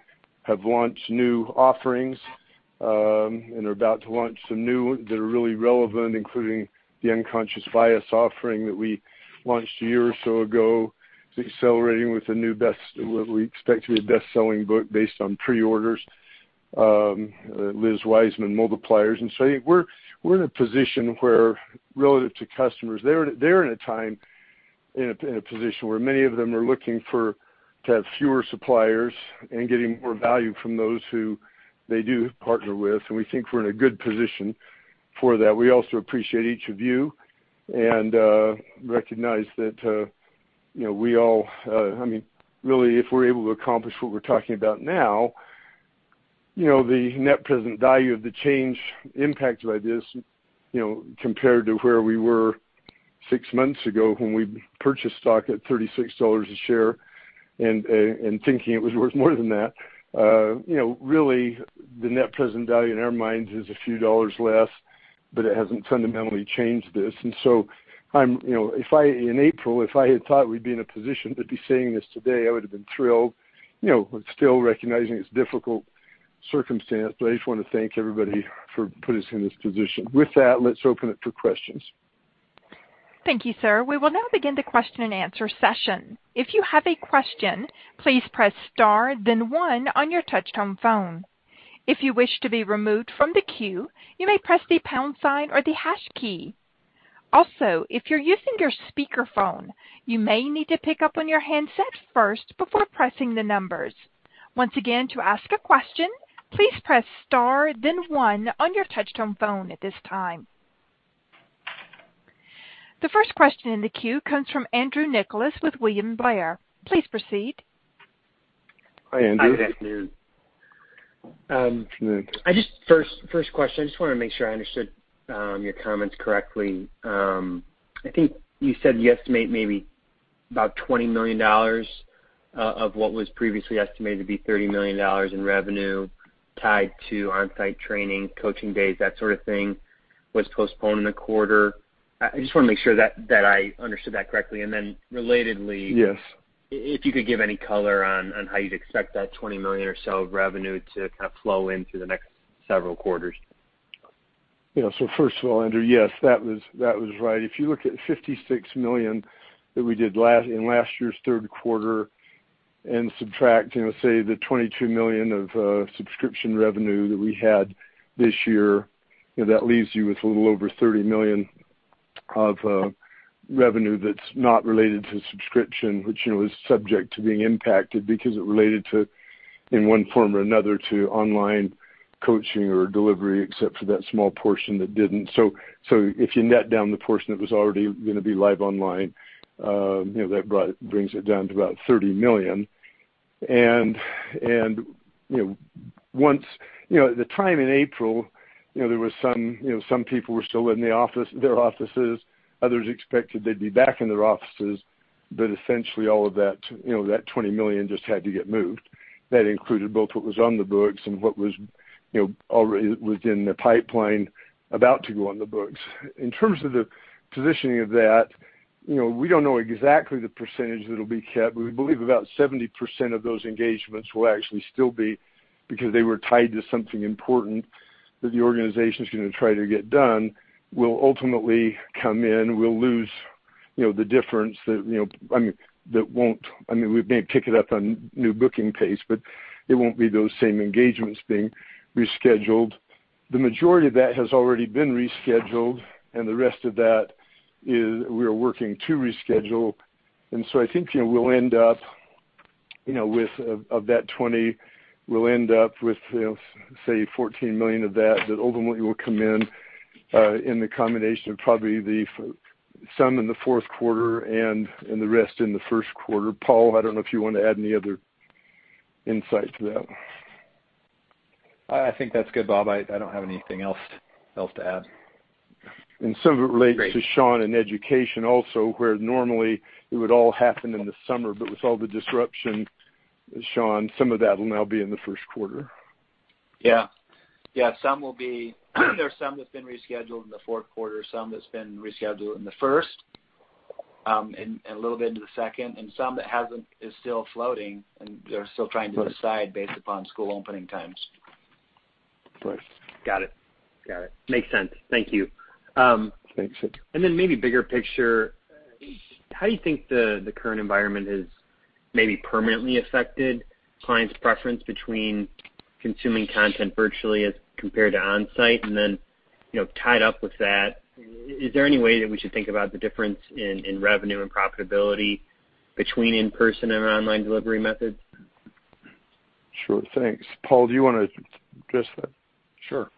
have launched new offerings, and are about to launch some new that are really relevant, including the Unconscious Bias offering that we launched a year or so ago. It's accelerating with what we expect to be a best-selling book based on pre-orders, Liz Wiseman, "Multipliers." We're in a position where relative to customers, they're in a position where many of them are looking to have fewer suppliers and getting more value from those who they do partner with. We think we're in a good position for that. We also appreciate each of you and recognize that If we're able to accomplish what we're talking about now, the net present value of the change impacted by this compared to where we were six months ago when we purchased stock at $36 a share and thinking it was worth more than that. Really, the net present value in our minds is a few dollars less, but it hasn't fundamentally changed this. In April, if I had thought we'd be in a position to be saying this today, I would have been thrilled, still recognizing it's difficult circumstance. I just want to thank everybody for putting us in this position. With that, let's open it for questions. Thank you, sir. We will now begin the question and answer session. If you have a question, please press star, then one on your touchtone phone. If you wish to be removed from the queue, you may press the pound sign or the hash key. Also, if you're using your speakerphone, you may need to pick up on your handset first before pressing the numbers. Once again, to ask a question, please press star then one on your touchtone phone at this time. The first question in the queue comes from Andrew Nicholas with William Blair. Please proceed. Hi, Andrew. Hi, good afternoon. Good afternoon. First question, I just want to make sure I understood your comments correctly. I think you said you estimate maybe about $20 million of what was previously estimated to be $30 million in revenue tied to on-site training, coaching days, that sort of thing, was postponed in the quarter. I just want to make sure that I understood that correctly. And then relatedly- Yes if you could give any color on how you'd expect that $20 million or so of revenue to kind of flow in through the next several quarters. First of all, Andrew, yes. That was right. If you look at $56 million that we did in last year's third quarter and subtract, say, the $22 million of subscription revenue that we had this year, that leaves you with a little over $30 million of revenue that's not related to subscription, which is subject to being impacted because it related to, in one form or another, to online coaching or delivery, except for that small portion that didn't. If you net down the portion that was already going to be live online, that brings it down to about $30 million. At the time in April, some people were still in their offices. Others expected they'd be back in their offices. Essentially all of that $20 million just had to get moved. That included both what was on the books and what was already within the pipeline about to go on the books. In terms of the positioning of that, we don't know exactly the percentage that'll be kept. We believe about 70% of those engagements will actually still be, because they were tied to something important that the organization's going to try to get done, will ultimately come in. It won't be those same engagements being rescheduled. The majority of that has already been rescheduled. The rest of that we are working to reschedule. I think of that 20, we'll end up with, say, $14 million of that ultimately will come in the combination of probably some in the fourth quarter and the rest in the first quarter. Paul, I don't know if you want to add any other insight to that? I think that's good, Bob. I don't have anything else to add. And some of it relates- Great. to Sean and education also, where normally it would all happen in the summer, but with all the disruption, Sean, some of that will now be in the first quarter. Yeah. There's some that's been rescheduled in the fourth quarter, some that's been rescheduled in the first, and a little bit into the second, and some that is still floating, and they're still trying to decide based upon school opening times. Of course. Got it. Makes sense. Thank you. Thanks. Maybe bigger picture, how do you think the current environment has maybe permanently affected clients' preference between consuming content virtually as compared to on-site? Tied up with that, is there any way that we should think about the difference in revenue and profitability between in-person and our online delivery methods? Sure. Thanks. Paul, do you want to address that? Sure.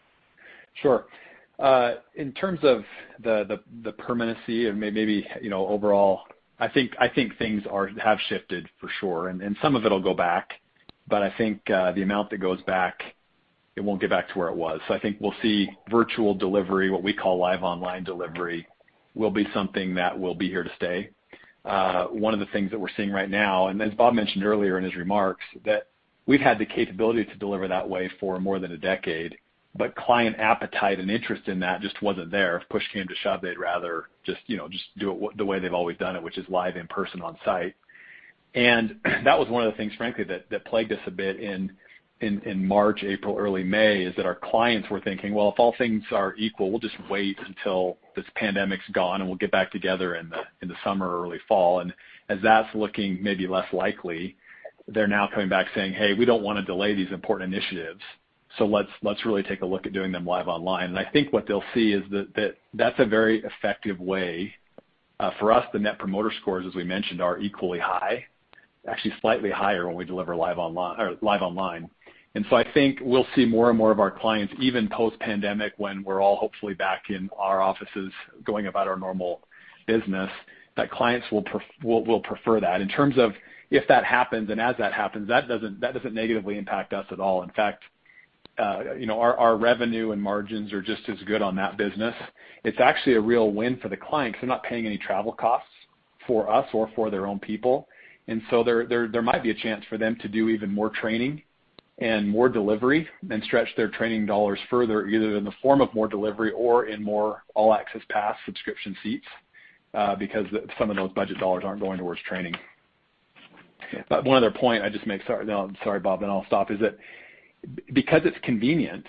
In terms of the permanency and maybe overall, I think things have shifted for sure. Some of it'll go back, but I think the amount that goes back, it won't get back to where it was. I think we'll see virtual delivery, what we call live online delivery, will be something that will be here to stay. One of the things that we're seeing right now, as Bob mentioned earlier in his remarks, that we've had the capability to deliver that way for more than a decade, but client appetite and interest in that just wasn't there. If push came to shove, they'd rather just do it the way they've always done it, which is live in person on site. That was one of the things, frankly, that plagued us a bit in March, April, early May, is that our clients were thinking, "Well, if all things are equal, we'll just wait until this pandemic's gone, and we'll get back together in the summer or early fall." As that's looking maybe less likely, they're now coming back saying, "Hey, we don't want to delay these important initiatives. Let's really take a look at doing them live online." I think what they'll see is that that's a very effective way. For us, the Net Promoter Score, as we mentioned, are equally high, actually slightly higher when we deliver live online. I think we'll see more and more of our clients, even post-pandemic, when we're all hopefully back in our offices going about our normal business, that clients will prefer that. In terms of if that happens and as that happens, that doesn't negatively impact us at all. In fact, our revenue and margins are just as good on that business. It's actually a real win for the clients. They're not paying any travel costs for us or for their own people. There might be a chance for them to do even more training and more delivery and stretch their training dollars further, either in the form of more delivery or in more All Access Pass subscription seats, because some of those budget dollars aren't going towards training. One other point I'd just make, sorry, Bob, then I'll stop, is that because it's convenient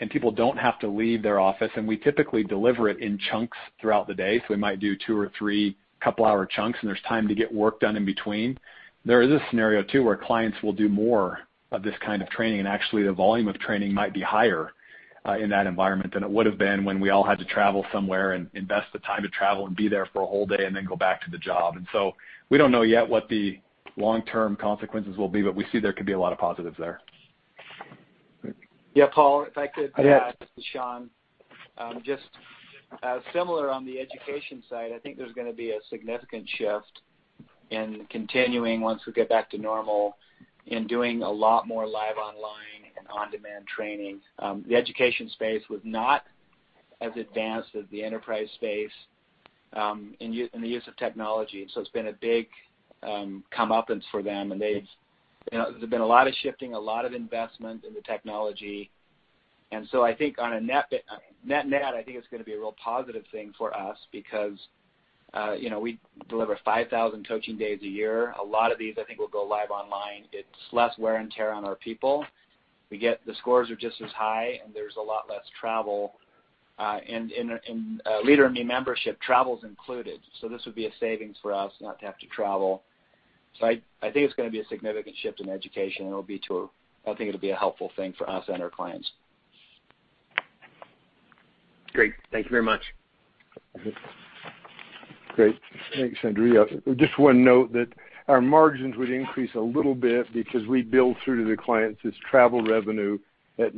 and people don't have to leave their office, and we typically deliver it in chunks throughout the day, so we might do two or three couple-hour chunks, and there's time to get work done in between. There is a scenario, too, where clients will do more of this kind of training, and actually the volume of training might be higher in that environment than it would have been when we all had to travel somewhere and invest the time to travel and be there for a whole day and then go back to the job. We don't know yet what the long-term consequences will be, but we see there could be a lot of positives there. Great. Yeah, Paul. Yes This is Sean. Just similar on the education side, I think there's going to be a significant shift in continuing once we get back to normal in doing a lot more live online and on-demand training. The education space was not as advanced as the enterprise space in the use of technology. It's been a big comeuppance for them. There's been a lot of shifting, a lot of investment in the technology. I think on a net-net, I think it's going to be a real positive thing for us because we deliver 5,000 coaching days a year. A lot of these, I think, will go live online. It's less wear and tear on our people. The scores are just as high, and there's a lot less travel. In Leader in Me membership, travel is included. This would be a savings for us not to have to travel. I think it's going to be a significant shift in education. I think it'll be a helpful thing for us and our clients. Great. Thank you very much. Great. Thanks, Andrew. Just one note that our margins would increase a little bit because we bill through to the clients as travel revenue at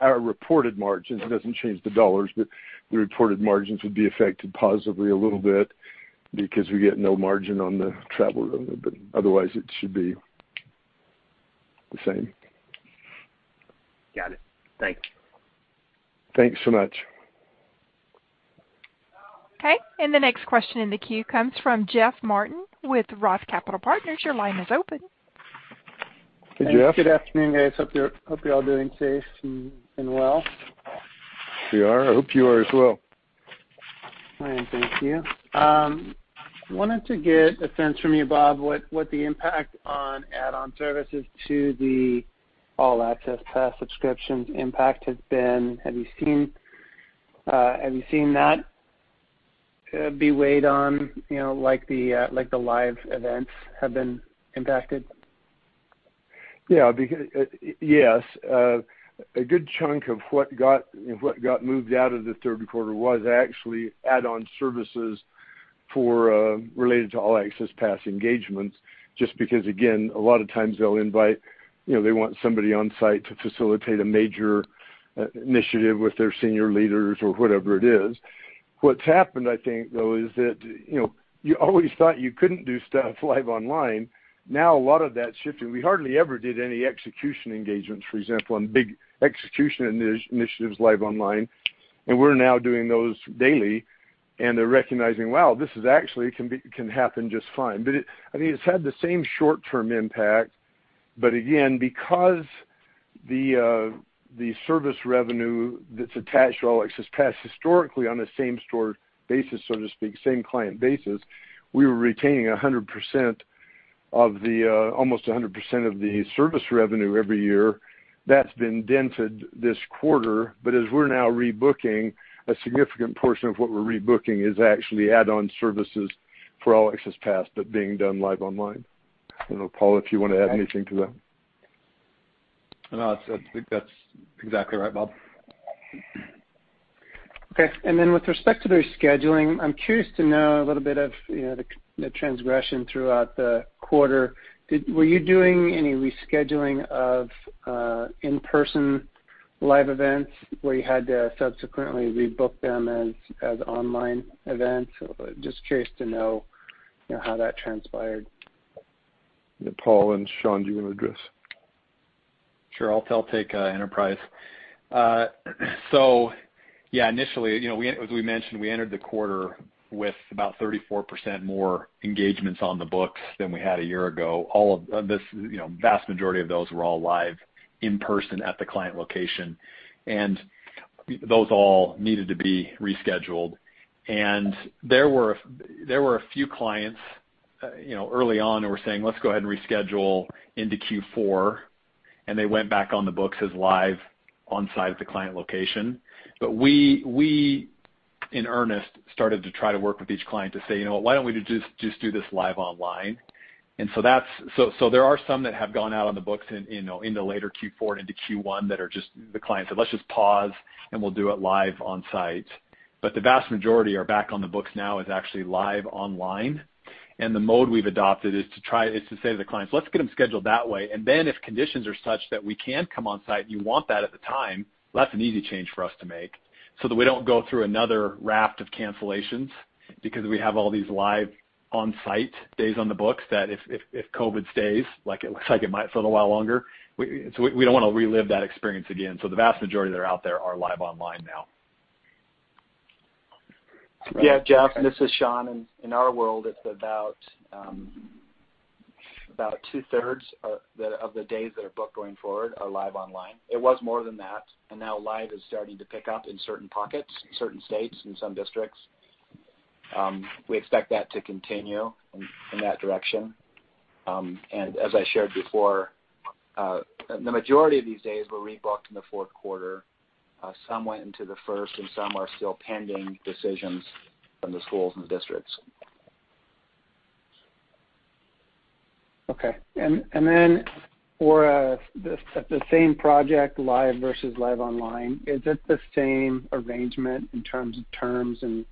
our reported margins. It doesn't change the $, but the reported margins would be affected positively a little bit. We get no margin on the travel, but otherwise it should be the same. Got it. Thank you. Thanks so much. Okay. The next question in the queue comes from Jeff Martin with Roth Capital Partners. Your line is open. Hey, Jeff. Thanks. Good afternoon, guys. Hope you're all doing safe and well. We are. I hope you are as well. Fine. Thank you. Wanted to get a sense from you, Bob, what the impact on add-on services to the All Access Pass subscriptions impact has been. Have you seen that be weighed on, like the live events have been impacted? Yes. A good chunk of what got moved out of the third quarter was actually add-on services related to All Access Pass engagements, just because, again, a lot of times they want somebody on-site to facilitate a major initiative with their senior leaders or whatever it is. What's happened, I think, though, is that you always thought you couldn't do stuff live online. A lot of that's shifting. We hardly ever did any execution engagements, for example, and big execution initiatives live online, and we're now doing those daily, and they're recognizing, wow, this actually can happen just fine. It's had the same short-term impact. Again, because the service revenue that's attached to All Access Pass historically on the same stored basis, so to speak, same client basis, we were retaining almost 100% of the service revenue every year. That's been dented this quarter. As we're now rebooking, a significant portion of what we're rebooking is actually add-on services for All Access Pass, but being done live online. I don't know, Paul, if you want to add anything to that? No, I think that's exactly right, Bob. Okay. Then with respect to the scheduling, I'm curious to know a little bit of the progression throughout the quarter. Were you doing any rescheduling of in-person live events where you had to subsequently rebook them as online events? Just curious to know how that transpired. Paul and Sean, do you want to address? Sure. I'll take Enterprise. Initially, as we mentioned, we entered the quarter with about 34% more engagements on the books than we had a year ago. Vast majority of those were all live in person at the client location, and those all needed to be rescheduled. There were a few clients early on who were saying, "Let's go ahead and reschedule into Q4," and they went back on the books as live on-site at the client location. We, in earnest, started to try to work with each client to say, "Why don't we just do this live online?" There are some that have gone out on the books into later Q4, into Q1, that the client said, "Let's just pause, and we'll do it live on-site." The vast majority are back on the books now as actually live online, and the mode we've adopted is to say to the clients, "Let's get them scheduled that way." Then if conditions are such that we can come on-site and you want that at the time, that's an easy change for us to make so that we don't go through another raft of cancellations because we have all these live on-site days on the books. We don't want to relive that experience again. The vast majority that are out there are live online now. Yeah, Jeff, this is Sean, and in our world, it's about two-thirds of the days that are booked going forward are live online. It was more than that, and now live is starting to pick up in certain pockets, certain states, and some districts. We expect that to continue in that direction. As I shared before, the majority of these days were rebooked in the fourth quarter. Some went into the first, and some are still pending decisions from the schools and districts. Okay. Then for the same project, live versus live online, is it the same arrangement in terms of terms and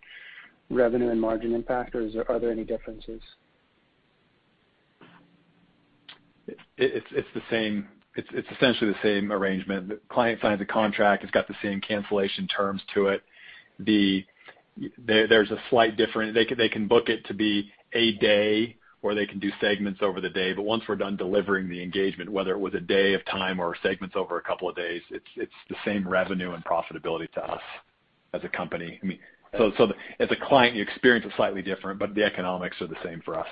revenue and margin impact, or are there any differences? It's essentially the same arrangement. The client signs a contract. It's got the same cancellation terms to it. There's a slight difference. They can book it to be a day, or they can do segments over the day. Once we're done delivering the engagement, whether it was a day of time or segments over a couple of days, it's the same revenue and profitability to us as a company. As a client, you experience it slightly different, but the economics are the same for us.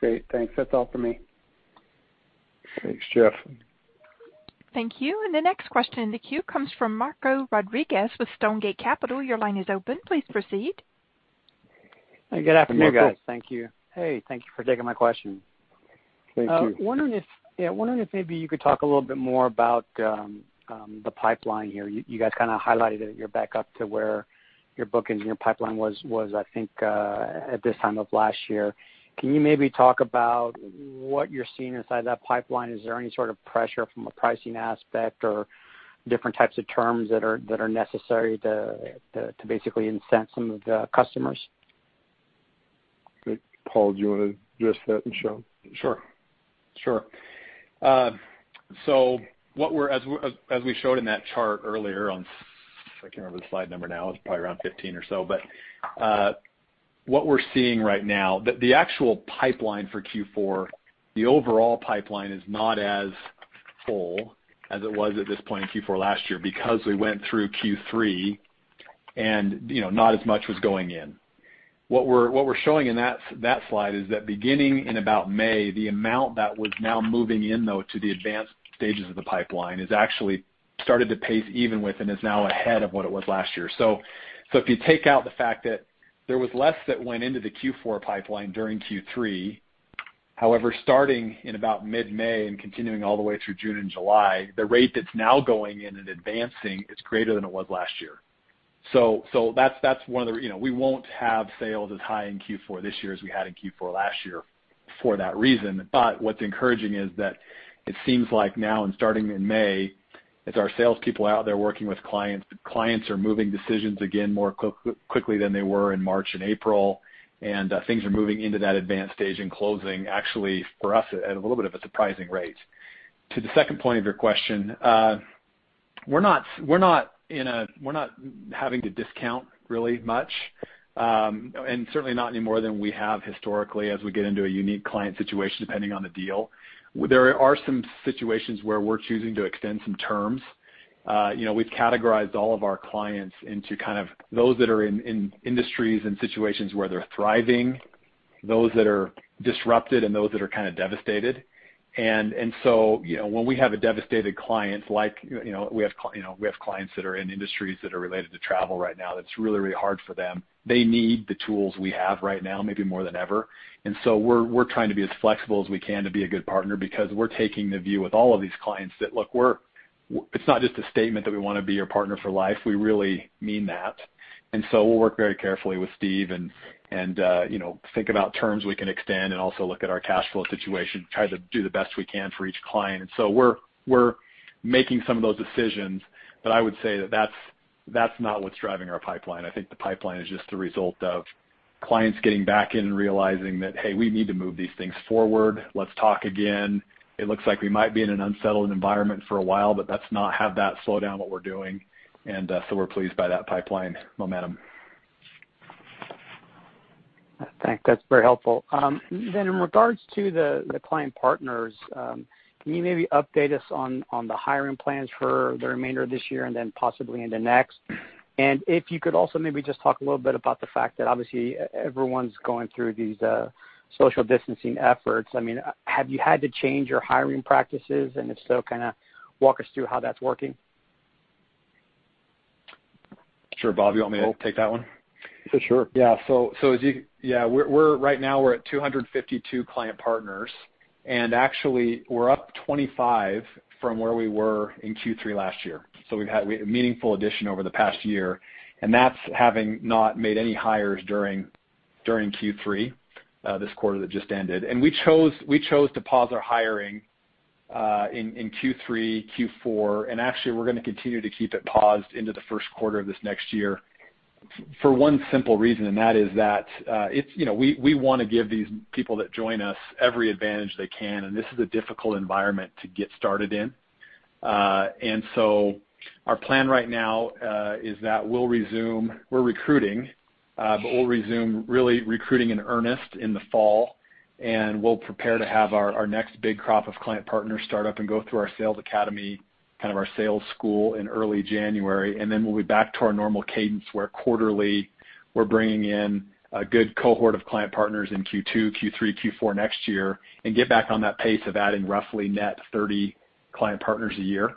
Great. Thanks. That's all for me. Thanks, Jeff. Thank you. The next question in the queue comes from Marco Rodriguez with Stonegate Capital. Your line is open. Please proceed. Hey, Marco. Good afternoon, guys. Thank you. Hey, thank you for taking my question. Thank you. Wondering if maybe you could talk a little bit more about the pipeline here. You guys kind of highlighted that you're back up to where your booking and your pipeline was, I think, at this time of last year. Can you maybe talk about what you're seeing inside that pipeline? Is there any sort of pressure from a pricing aspect or different types of terms that are necessary to basically incent some of the customers? Great. Paul, do you want to address that and Sean? Sure. As we showed in that chart earlier on, if I can remember the slide number now, it's probably around 15 or so, but what we're seeing right now, the actual pipeline for Q4, the overall pipeline is not as full as it was at this point in Q4 last year, because we went through Q3, and not as much was going in. What we're showing in that slide is that beginning in about May, the amount that was now moving in though to the advanced stages of the pipeline has actually started to pace even with and is now ahead of what it was last year. If you take out the fact that there was less that went into the Q4 pipeline during Q3, however, starting in about mid-May and continuing all the way through June and July, the rate that's now going in and advancing is greater than it was last year. We won't have sales as high in Q4 this year as we had in Q4 last year for that reason. What's encouraging is that it seems like now and starting in May, as our salespeople are out there working with clients, the clients are moving decisions again more quickly than they were in March and April. Things are moving into that advanced stage and closing, actually, for us, at a little bit of a surprising rate. To the second point of your question, we're not having to discount really much, and certainly not any more than we have historically as we get into a unique client situation, depending on the deal. There are some situations where we're choosing to extend some terms. We've categorized all of our clients into those that are in industries and situations where they're thriving, those that are disrupted, and those that are kind of devastated. When we have a devastated client, like we have clients that are in industries that are related to travel right now, that's really hard for them. They need the tools we have right now, maybe more than ever. We're trying to be as flexible as we can to be a good partner because we're taking the view with all of these clients that, look, it's not just a statement that we want to be your partner for life. We really mean that. We'll work very carefully with Steve and think about terms we can extend and also look at our cash flow situation, try to do the best we can for each client. We're making some of those decisions, but I would say that that's not what's driving our pipeline. I think the pipeline is just the result of clients getting back in and realizing that, hey, we need to move these things forward. Let's talk again. It looks like we might be in an unsettled environment for a while, but let's not have that slow down what we're doing. We're pleased by that pipeline momentum. I think that's very helpful. In regards to the client partners, can you maybe update us on the hiring plans for the remainder of this year and then possibly into next? If you could also maybe just talk a little bit about the fact that obviously everyone's going through these social distancing efforts. Have you had to change your hiring practices, and if so, kind of walk us through how that's working? Sure. Bob, you want me to take that one? Sure. Yeah. Right now, we're at 252 client partners, actually, we're up 25 from where we were in Q3 last year. We've had a meaningful addition over the past year, and that's having not made any hires during Q3, this quarter that just ended. We chose to pause our hiring in Q3, Q4, and actually, we're going to continue to keep it paused into the first quarter of this next year for one simple reason, and that is that we want to give these people that join us every advantage they can, and this is a difficult environment to get started in. Our plan right now is that we're recruiting, but we'll resume really recruiting in earnest in the fall, and we'll prepare to have our next big crop of client partners start up and go through our sales academy, kind of our sales school in early January. We'll be back to our normal cadence where quarterly, we're bringing in a good cohort of client partners in Q2, Q3, Q4 next year and get back on that pace of adding roughly net 30 client partners a year.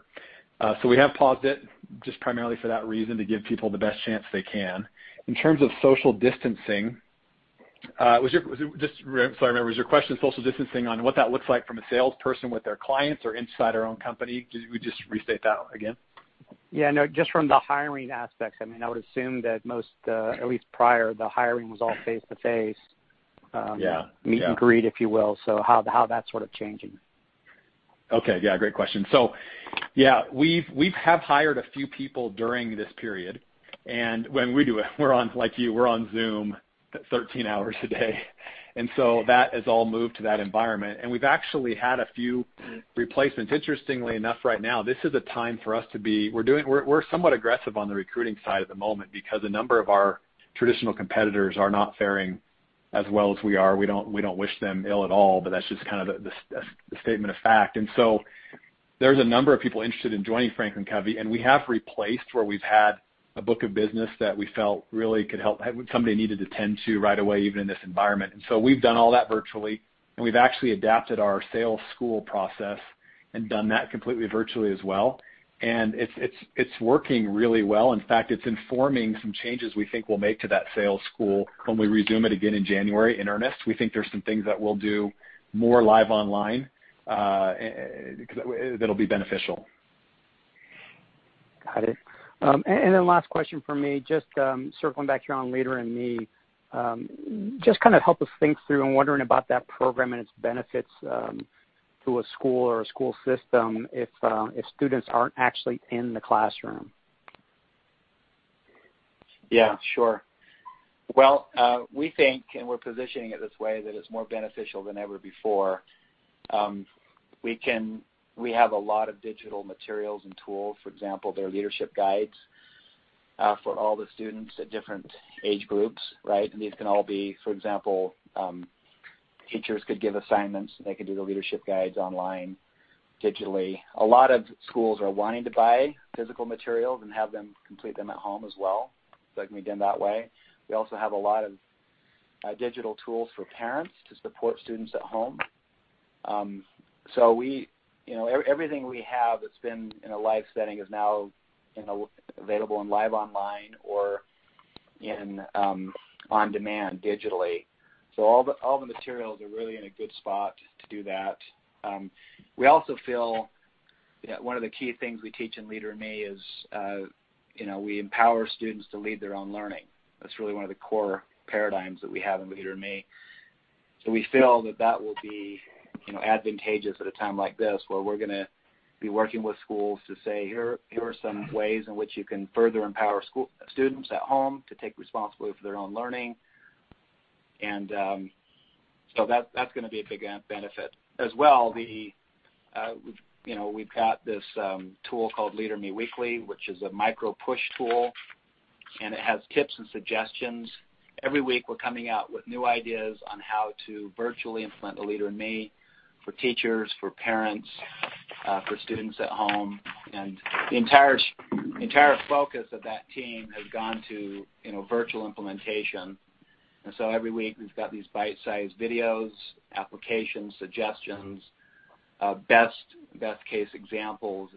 We have paused it just primarily for that reason, to give people the best chance they can. In terms of social distancing, sorry, I remember, was your question social distancing on what that looks like from a salesperson with their clients or inside our own company? Could you just restate that again? Yeah, no, just from the hiring aspects. I would assume that most, at least prior, the hiring was all face-to-face. Yeah. Meet and greet, if you will. How that's sort of changing. Okay. Yeah, great question. Yeah, we have hired a few people during this period. When we do it, like you, we're on Zoom 13 hours a day. That has all moved to that environment. We've actually had a few replacements. Interestingly enough, right now, this is a time for us, we're somewhat aggressive on the recruiting side at the moment because a number of our traditional competitors are not faring as well as we are. We don't wish them ill at all, but that's just kind of the statement of fact. There's a number of people interested in joining FranklinCovey, and we have replaced where we've had a book of business that we felt really could help somebody needed to tend to right away, even in this environment. We've done all that virtually, and we've actually adapted our sales school process and done that completely virtually as well. It's working really well. In fact, it's informing some changes we think we'll make to that sales school when we resume it again in January in earnest. We think there's some things that we'll do more live online that'll be beneficial. Got it. Last question from me, just circling back here on Leader in Me. Help us think through and wondering about that program and its benefits to a school or a school system if students aren't actually in the classroom. Yeah, sure. Well, we think, and we're positioning it this way, that it's more beneficial than ever before. We have a lot of digital materials and tools. For example, there are leadership guides for all the students at different age groups, right? These can all be, for example, teachers could give assignments, they could do the leadership guides online digitally. A lot of schools are wanting to buy physical materials and have them complete them at home as well. That can be done that way. We also have a lot of digital tools for parents to support students at home. Everything we have that's been in a live setting is now available in live online or on demand digitally. All the materials are really in a good spot to do that. We also feel one of the key things we teach in Leader in Me is, we empower students to lead their own learning. That's really one of the core paradigms that we have in Leader in Me. We feel that that will be advantageous at a time like this, where we're going to be working with schools to say, "Here are some ways in which you can further empower students at home to take responsibility for their own learning." That's going to be a big benefit. As well, we've got this tool called Leader in Me Weekly, which is a micro-push tool, and it has tips and suggestions. Every week, we're coming out with new ideas on how to virtually implement a Leader in Me for teachers, for parents, for students at home. The entire focus of that team has gone to virtual implementation. Every week, we've got these bite-sized videos, applications, suggestions, best case examples,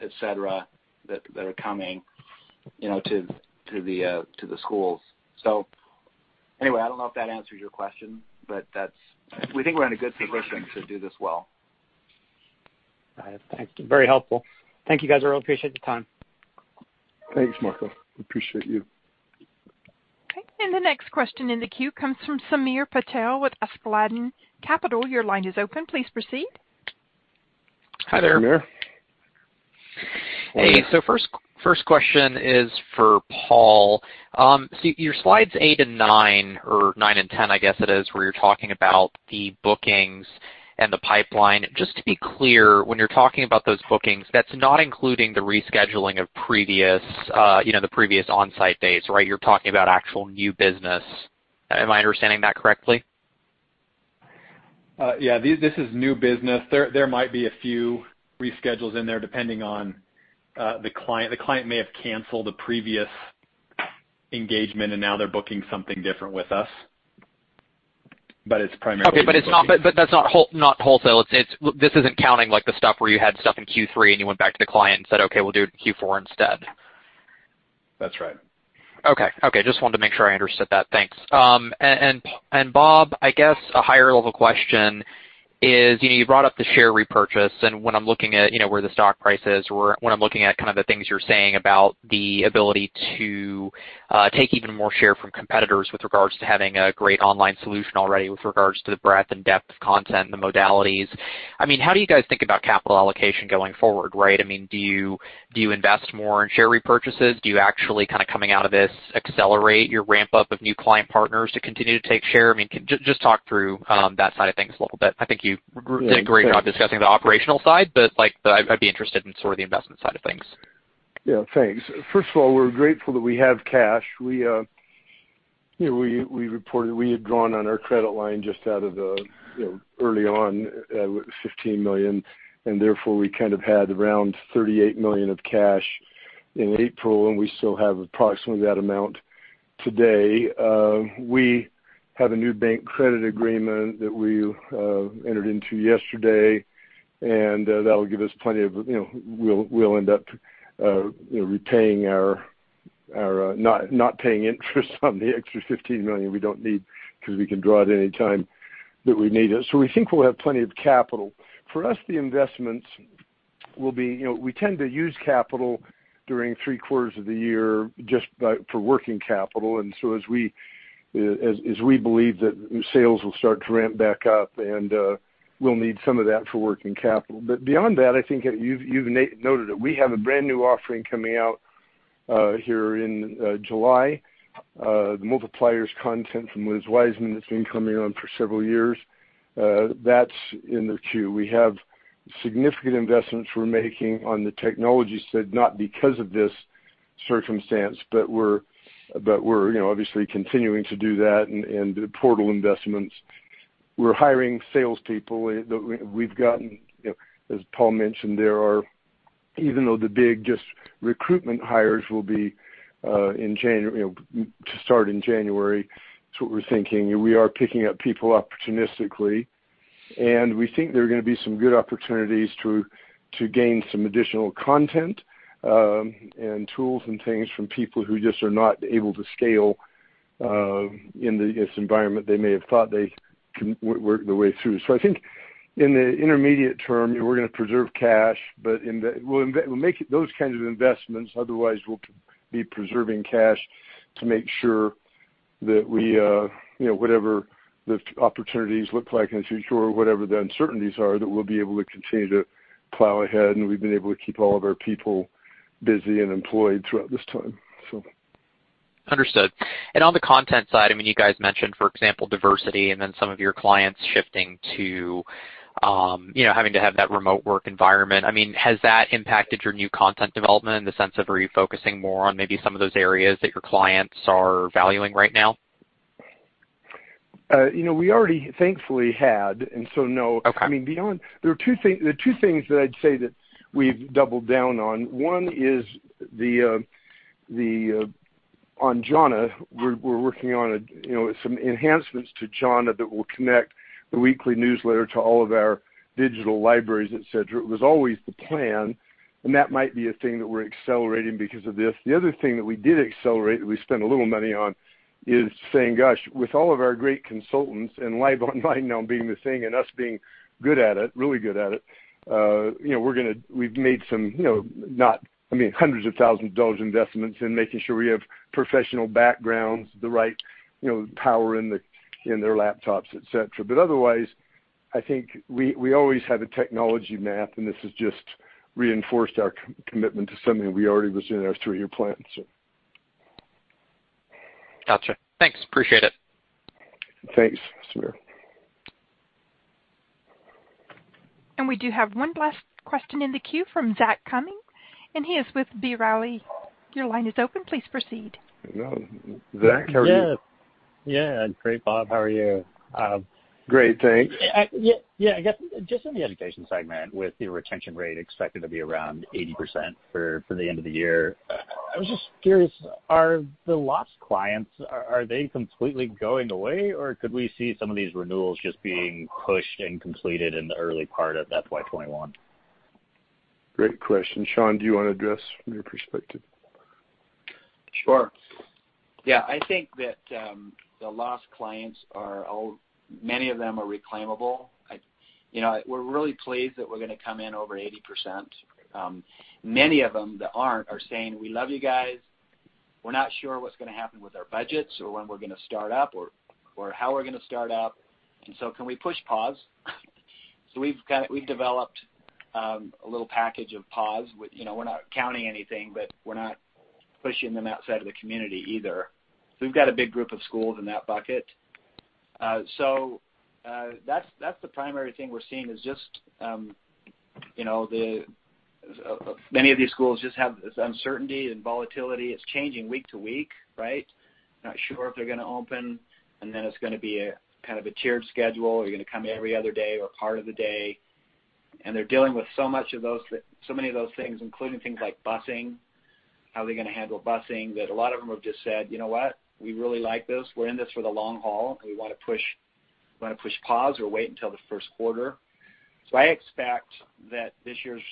et cetera, that are coming to the schools. Anyway, I don't know if that answers your question, but we think we're in a good position to do this well. All right. Thank you. Very helpful. Thank you, guys. I really appreciate the time. Thanks, Marco. We appreciate you. Okay. The next question in the queue comes from Sameer Patel with Askeladden Capital. Your line is open. Please proceed. Hi there. Sameer. Hey. First question is for Paul. Your slides eight and nine, or nine and 10, I guess it is, where you're talking about the bookings and the pipeline. Just to be clear, when you're talking about those bookings, that's not including the rescheduling of the previous on-site dates, right? You're talking about actual new business. Am I understanding that correctly? Yeah. This is new business. There might be a few reschedules in there depending on the client. The client may have canceled a previous engagement, and now they're booking something different with us. Okay, that's not wholesale. This isn't counting, like, the stuff where you had stuff in Q3 and you went back to the client and said, "Okay, we'll do it in Q4 instead. That's right. Okay. Just wanted to make sure I understood that. Thanks. Bob, I guess a higher level question is, you brought up the share repurchase, and when I'm looking at where the stock price is or when I'm looking at kind of the things you're saying about the ability to take even more share from competitors with regards to having a great online solution already, with regards to the breadth and depth of content and the modalities. I mean, how do you guys think about capital allocation going forward, right? I mean, do you invest more in share repurchases? Do you actually kind of coming out of this accelerate your ramp-up of new client partners to continue to take share? I mean, just talk through that side of things a little bit. I think you did a great job discussing the operational side, but I'd be interested in sort of the investment side of things. Yeah, thanks. First of all, we're grateful that we have cash. We reported we had drawn on our credit line just out of the early on, it was $15 million. Therefore, we kind of had around $38 million of cash in April. We still have approximately that amount today. We have a new bank credit agreement that we entered into yesterday. We'll end up not paying interest on the extra $15 million we don't need because we can draw it any time that we need it. We think we'll have plenty of capital. For us, the investments will be, we tend to use capital during three-quarters of the year just for working capital. As we believe that sales will start to ramp back up, we'll need some of that for working capital. Beyond that, I think you've noted it. We have a brand-new offering coming out here in July. The Multipliers content from Liz Wiseman that's been coming on for several years. That's in the queue. We have significant investments we're making on the technology side, not because of this circumstance, but we're obviously continuing to do that and the portal investments. We're hiring salespeople. We've gotten, as Paul mentioned, even though the big just recruitment hires will start in January, that's what we're thinking. We are picking up people opportunistically, and we think there are going to be some good opportunities to gain some additional content and tools and things from people who just are not able to scale in this environment they may have thought they can work their way through. I think in the intermediate term, we're going to preserve cash. We'll make those kinds of investments, otherwise we'll be preserving cash to make sure that whatever the opportunities look like in the future or whatever the uncertainties are, that we'll be able to continue to plow ahead, and we've been able to keep all of our people busy and employed throughout this time. Understood. On the content side, you guys mentioned, for example, diversity and then some of your clients shifting to having to have that remote work environment. Has that impacted your new content development in the sense of are you focusing more on maybe some of those areas that your clients are valuing right now? We already thankfully had, and so no. Okay. There are two things that I'd say that we've doubled down on. One is on Jhana, we're working on some enhancements to Jhana that will connect the weekly newsletter to all of our digital libraries, et cetera. It was always the plan, and that might be a thing that we're accelerating because of this. The other thing that we did accelerate, that we spent a little money on, is saying, gosh, with all of our great consultants and live online now being the thing and us being good at it, really good at it, we've made some $hundreds of thousands investments in making sure we have professional backgrounds, the right power in their laptops, et cetera. Otherwise, I think we always have a technology map, and this has just reinforced our commitment to something that already was in our three-year plan. Got you. Thanks. Appreciate it. Thanks. See you. We do have one last question in the queue from Zach Cummins, and he is with B. Riley. Your line is open. Please proceed. Hello, Zach, how are you? Yeah. Great, Bob. How are you? Great, thanks. Yeah. Just in the education segment, with your retention rate expected to be around 80% for the end of the year, I was just curious, are the lost clients, are they completely going away, or could we see some of these renewals just being pushed and completed in the early part of FY 2021? Great question. Sean, do you want to address from your perspective? Sure. Yeah, I think that the lost clients, many of them are reclaimable. We're really pleased that we're going to come in over 80%. Many of them that aren't are saying, "We love you guys. We're not sure what's going to happen with our budgets or when we're going to start up or how we're going to start up, and so can we push pause?" We've developed a little package of pause. We're not counting anything, but we're not pushing them outside of the community either. We've got a big group of schools in that bucket. That's the primary thing we're seeing is just many of these schools just have this uncertainty and volatility. It's changing week to week, right? Not sure if they're going to open, and then it's going to be kind of a tiered schedule. Are you going to come every other day or part of the day? They're dealing with so many of those things, including things like busing, how are they going to handle busing? That a lot of them have just said, "You know what? We really like this. We're in this for the long haul, and we want to push pause or wait until the first quarter." I expect that this year's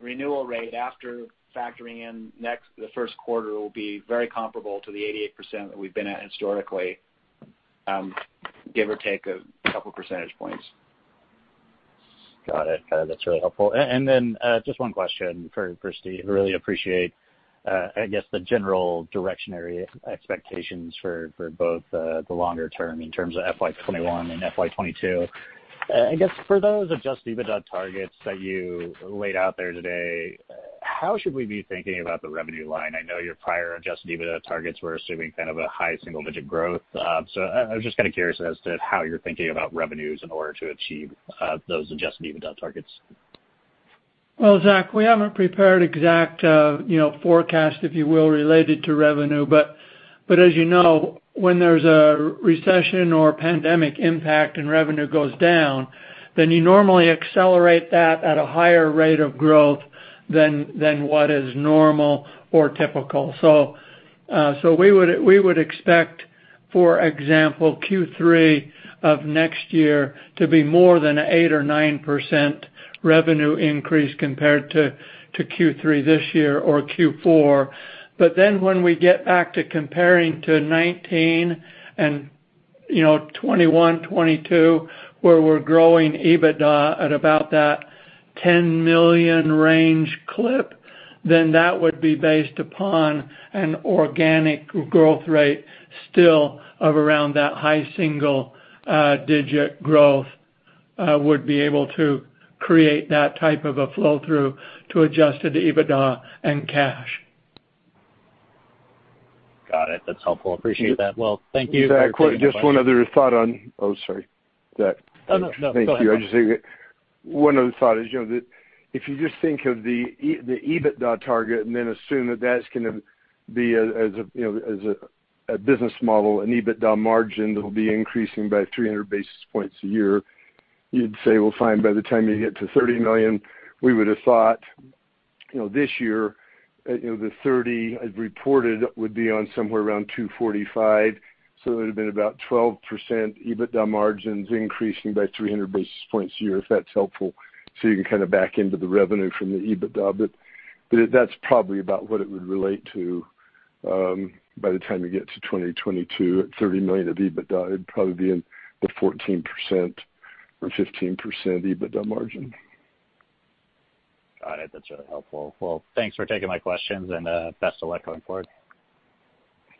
renewal rate, after factoring in the first quarter, will be very comparable to the 88% that we've been at historically, give or take a couple percentage points. Got it. That's really helpful. Just one question for Steve. Really appreciate, I guess, the general directional expectations for both the longer term in terms of FY 2021 and FY 2022. I guess for those adjusted EBITDA targets that you laid out there today, how should we be thinking about the revenue line? I know your prior adjusted EBITDA targets were assuming kind of a high single-digit growth. I was just kind of curious as to how you're thinking about revenues in order to achieve those adjusted EBITDA targets. Zach, we haven't prepared exact forecast, if you will, related to revenue. As you know, when there's a recession or pandemic impact and revenue goes down, you normally accelerate that at a higher rate of growth than what is normal or typical. We would expect, for example, Q3 of next year to be more than 8% or 9% revenue increase compared to Q3 this year or Q4. Then when we get back to comparing to 2019 and 2021, 2022, where we're growing EBITDA at about that $10 million range clip, that would be based upon an organic growth rate still of around that high single-digit growth would be able to create that type of a flow-through to adjusted EBITDA and cash. Got it. That's helpful. Appreciate that. Well, thank you. Zach. Oh, sorry. Zach. Oh, no, go ahead, Bob. Thank you. One other thought is that if you just think of the EBITDA target and then assume that that's going to be, as a business model, an EBITDA margin that'll be increasing by 300 basis points a year, you'd say, well, fine, by the time you get to $30 million, we would've thought this year, the $30 as reported would be on somewhere around $245. It would have been about 12% EBITDA margins increasing by 300 basis points a year, if that's helpful. You can kind of back into the revenue from the EBITDA. That's probably about what it would relate to by the time you get to 2022 at $30 million of EBITDA. It'd probably be in the 14% or 15% EBITDA margin. Got it. That's really helpful. Well, thanks for taking my questions, and best of luck going forward.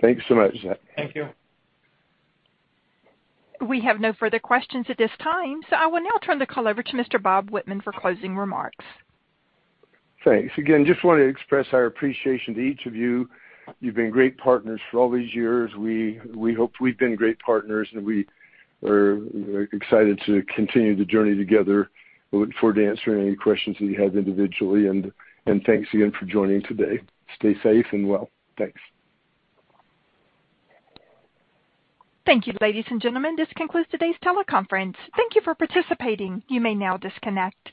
Thanks so much, Zach. Thank you. We have no further questions at this time, I will now turn the call over to Mr. Bob Whitman for closing remarks. Thanks. Again, just want to express our appreciation to each of you. You've been great partners for all these years. We hope we've been great partners, and we are excited to continue the journey together. We look forward to answering any questions that you have individually, and thanks again for joining today. Stay safe and well. Thanks. Thank you, ladies and gentlemen. This concludes today's teleconference. Thank you for participating. You may now disconnect.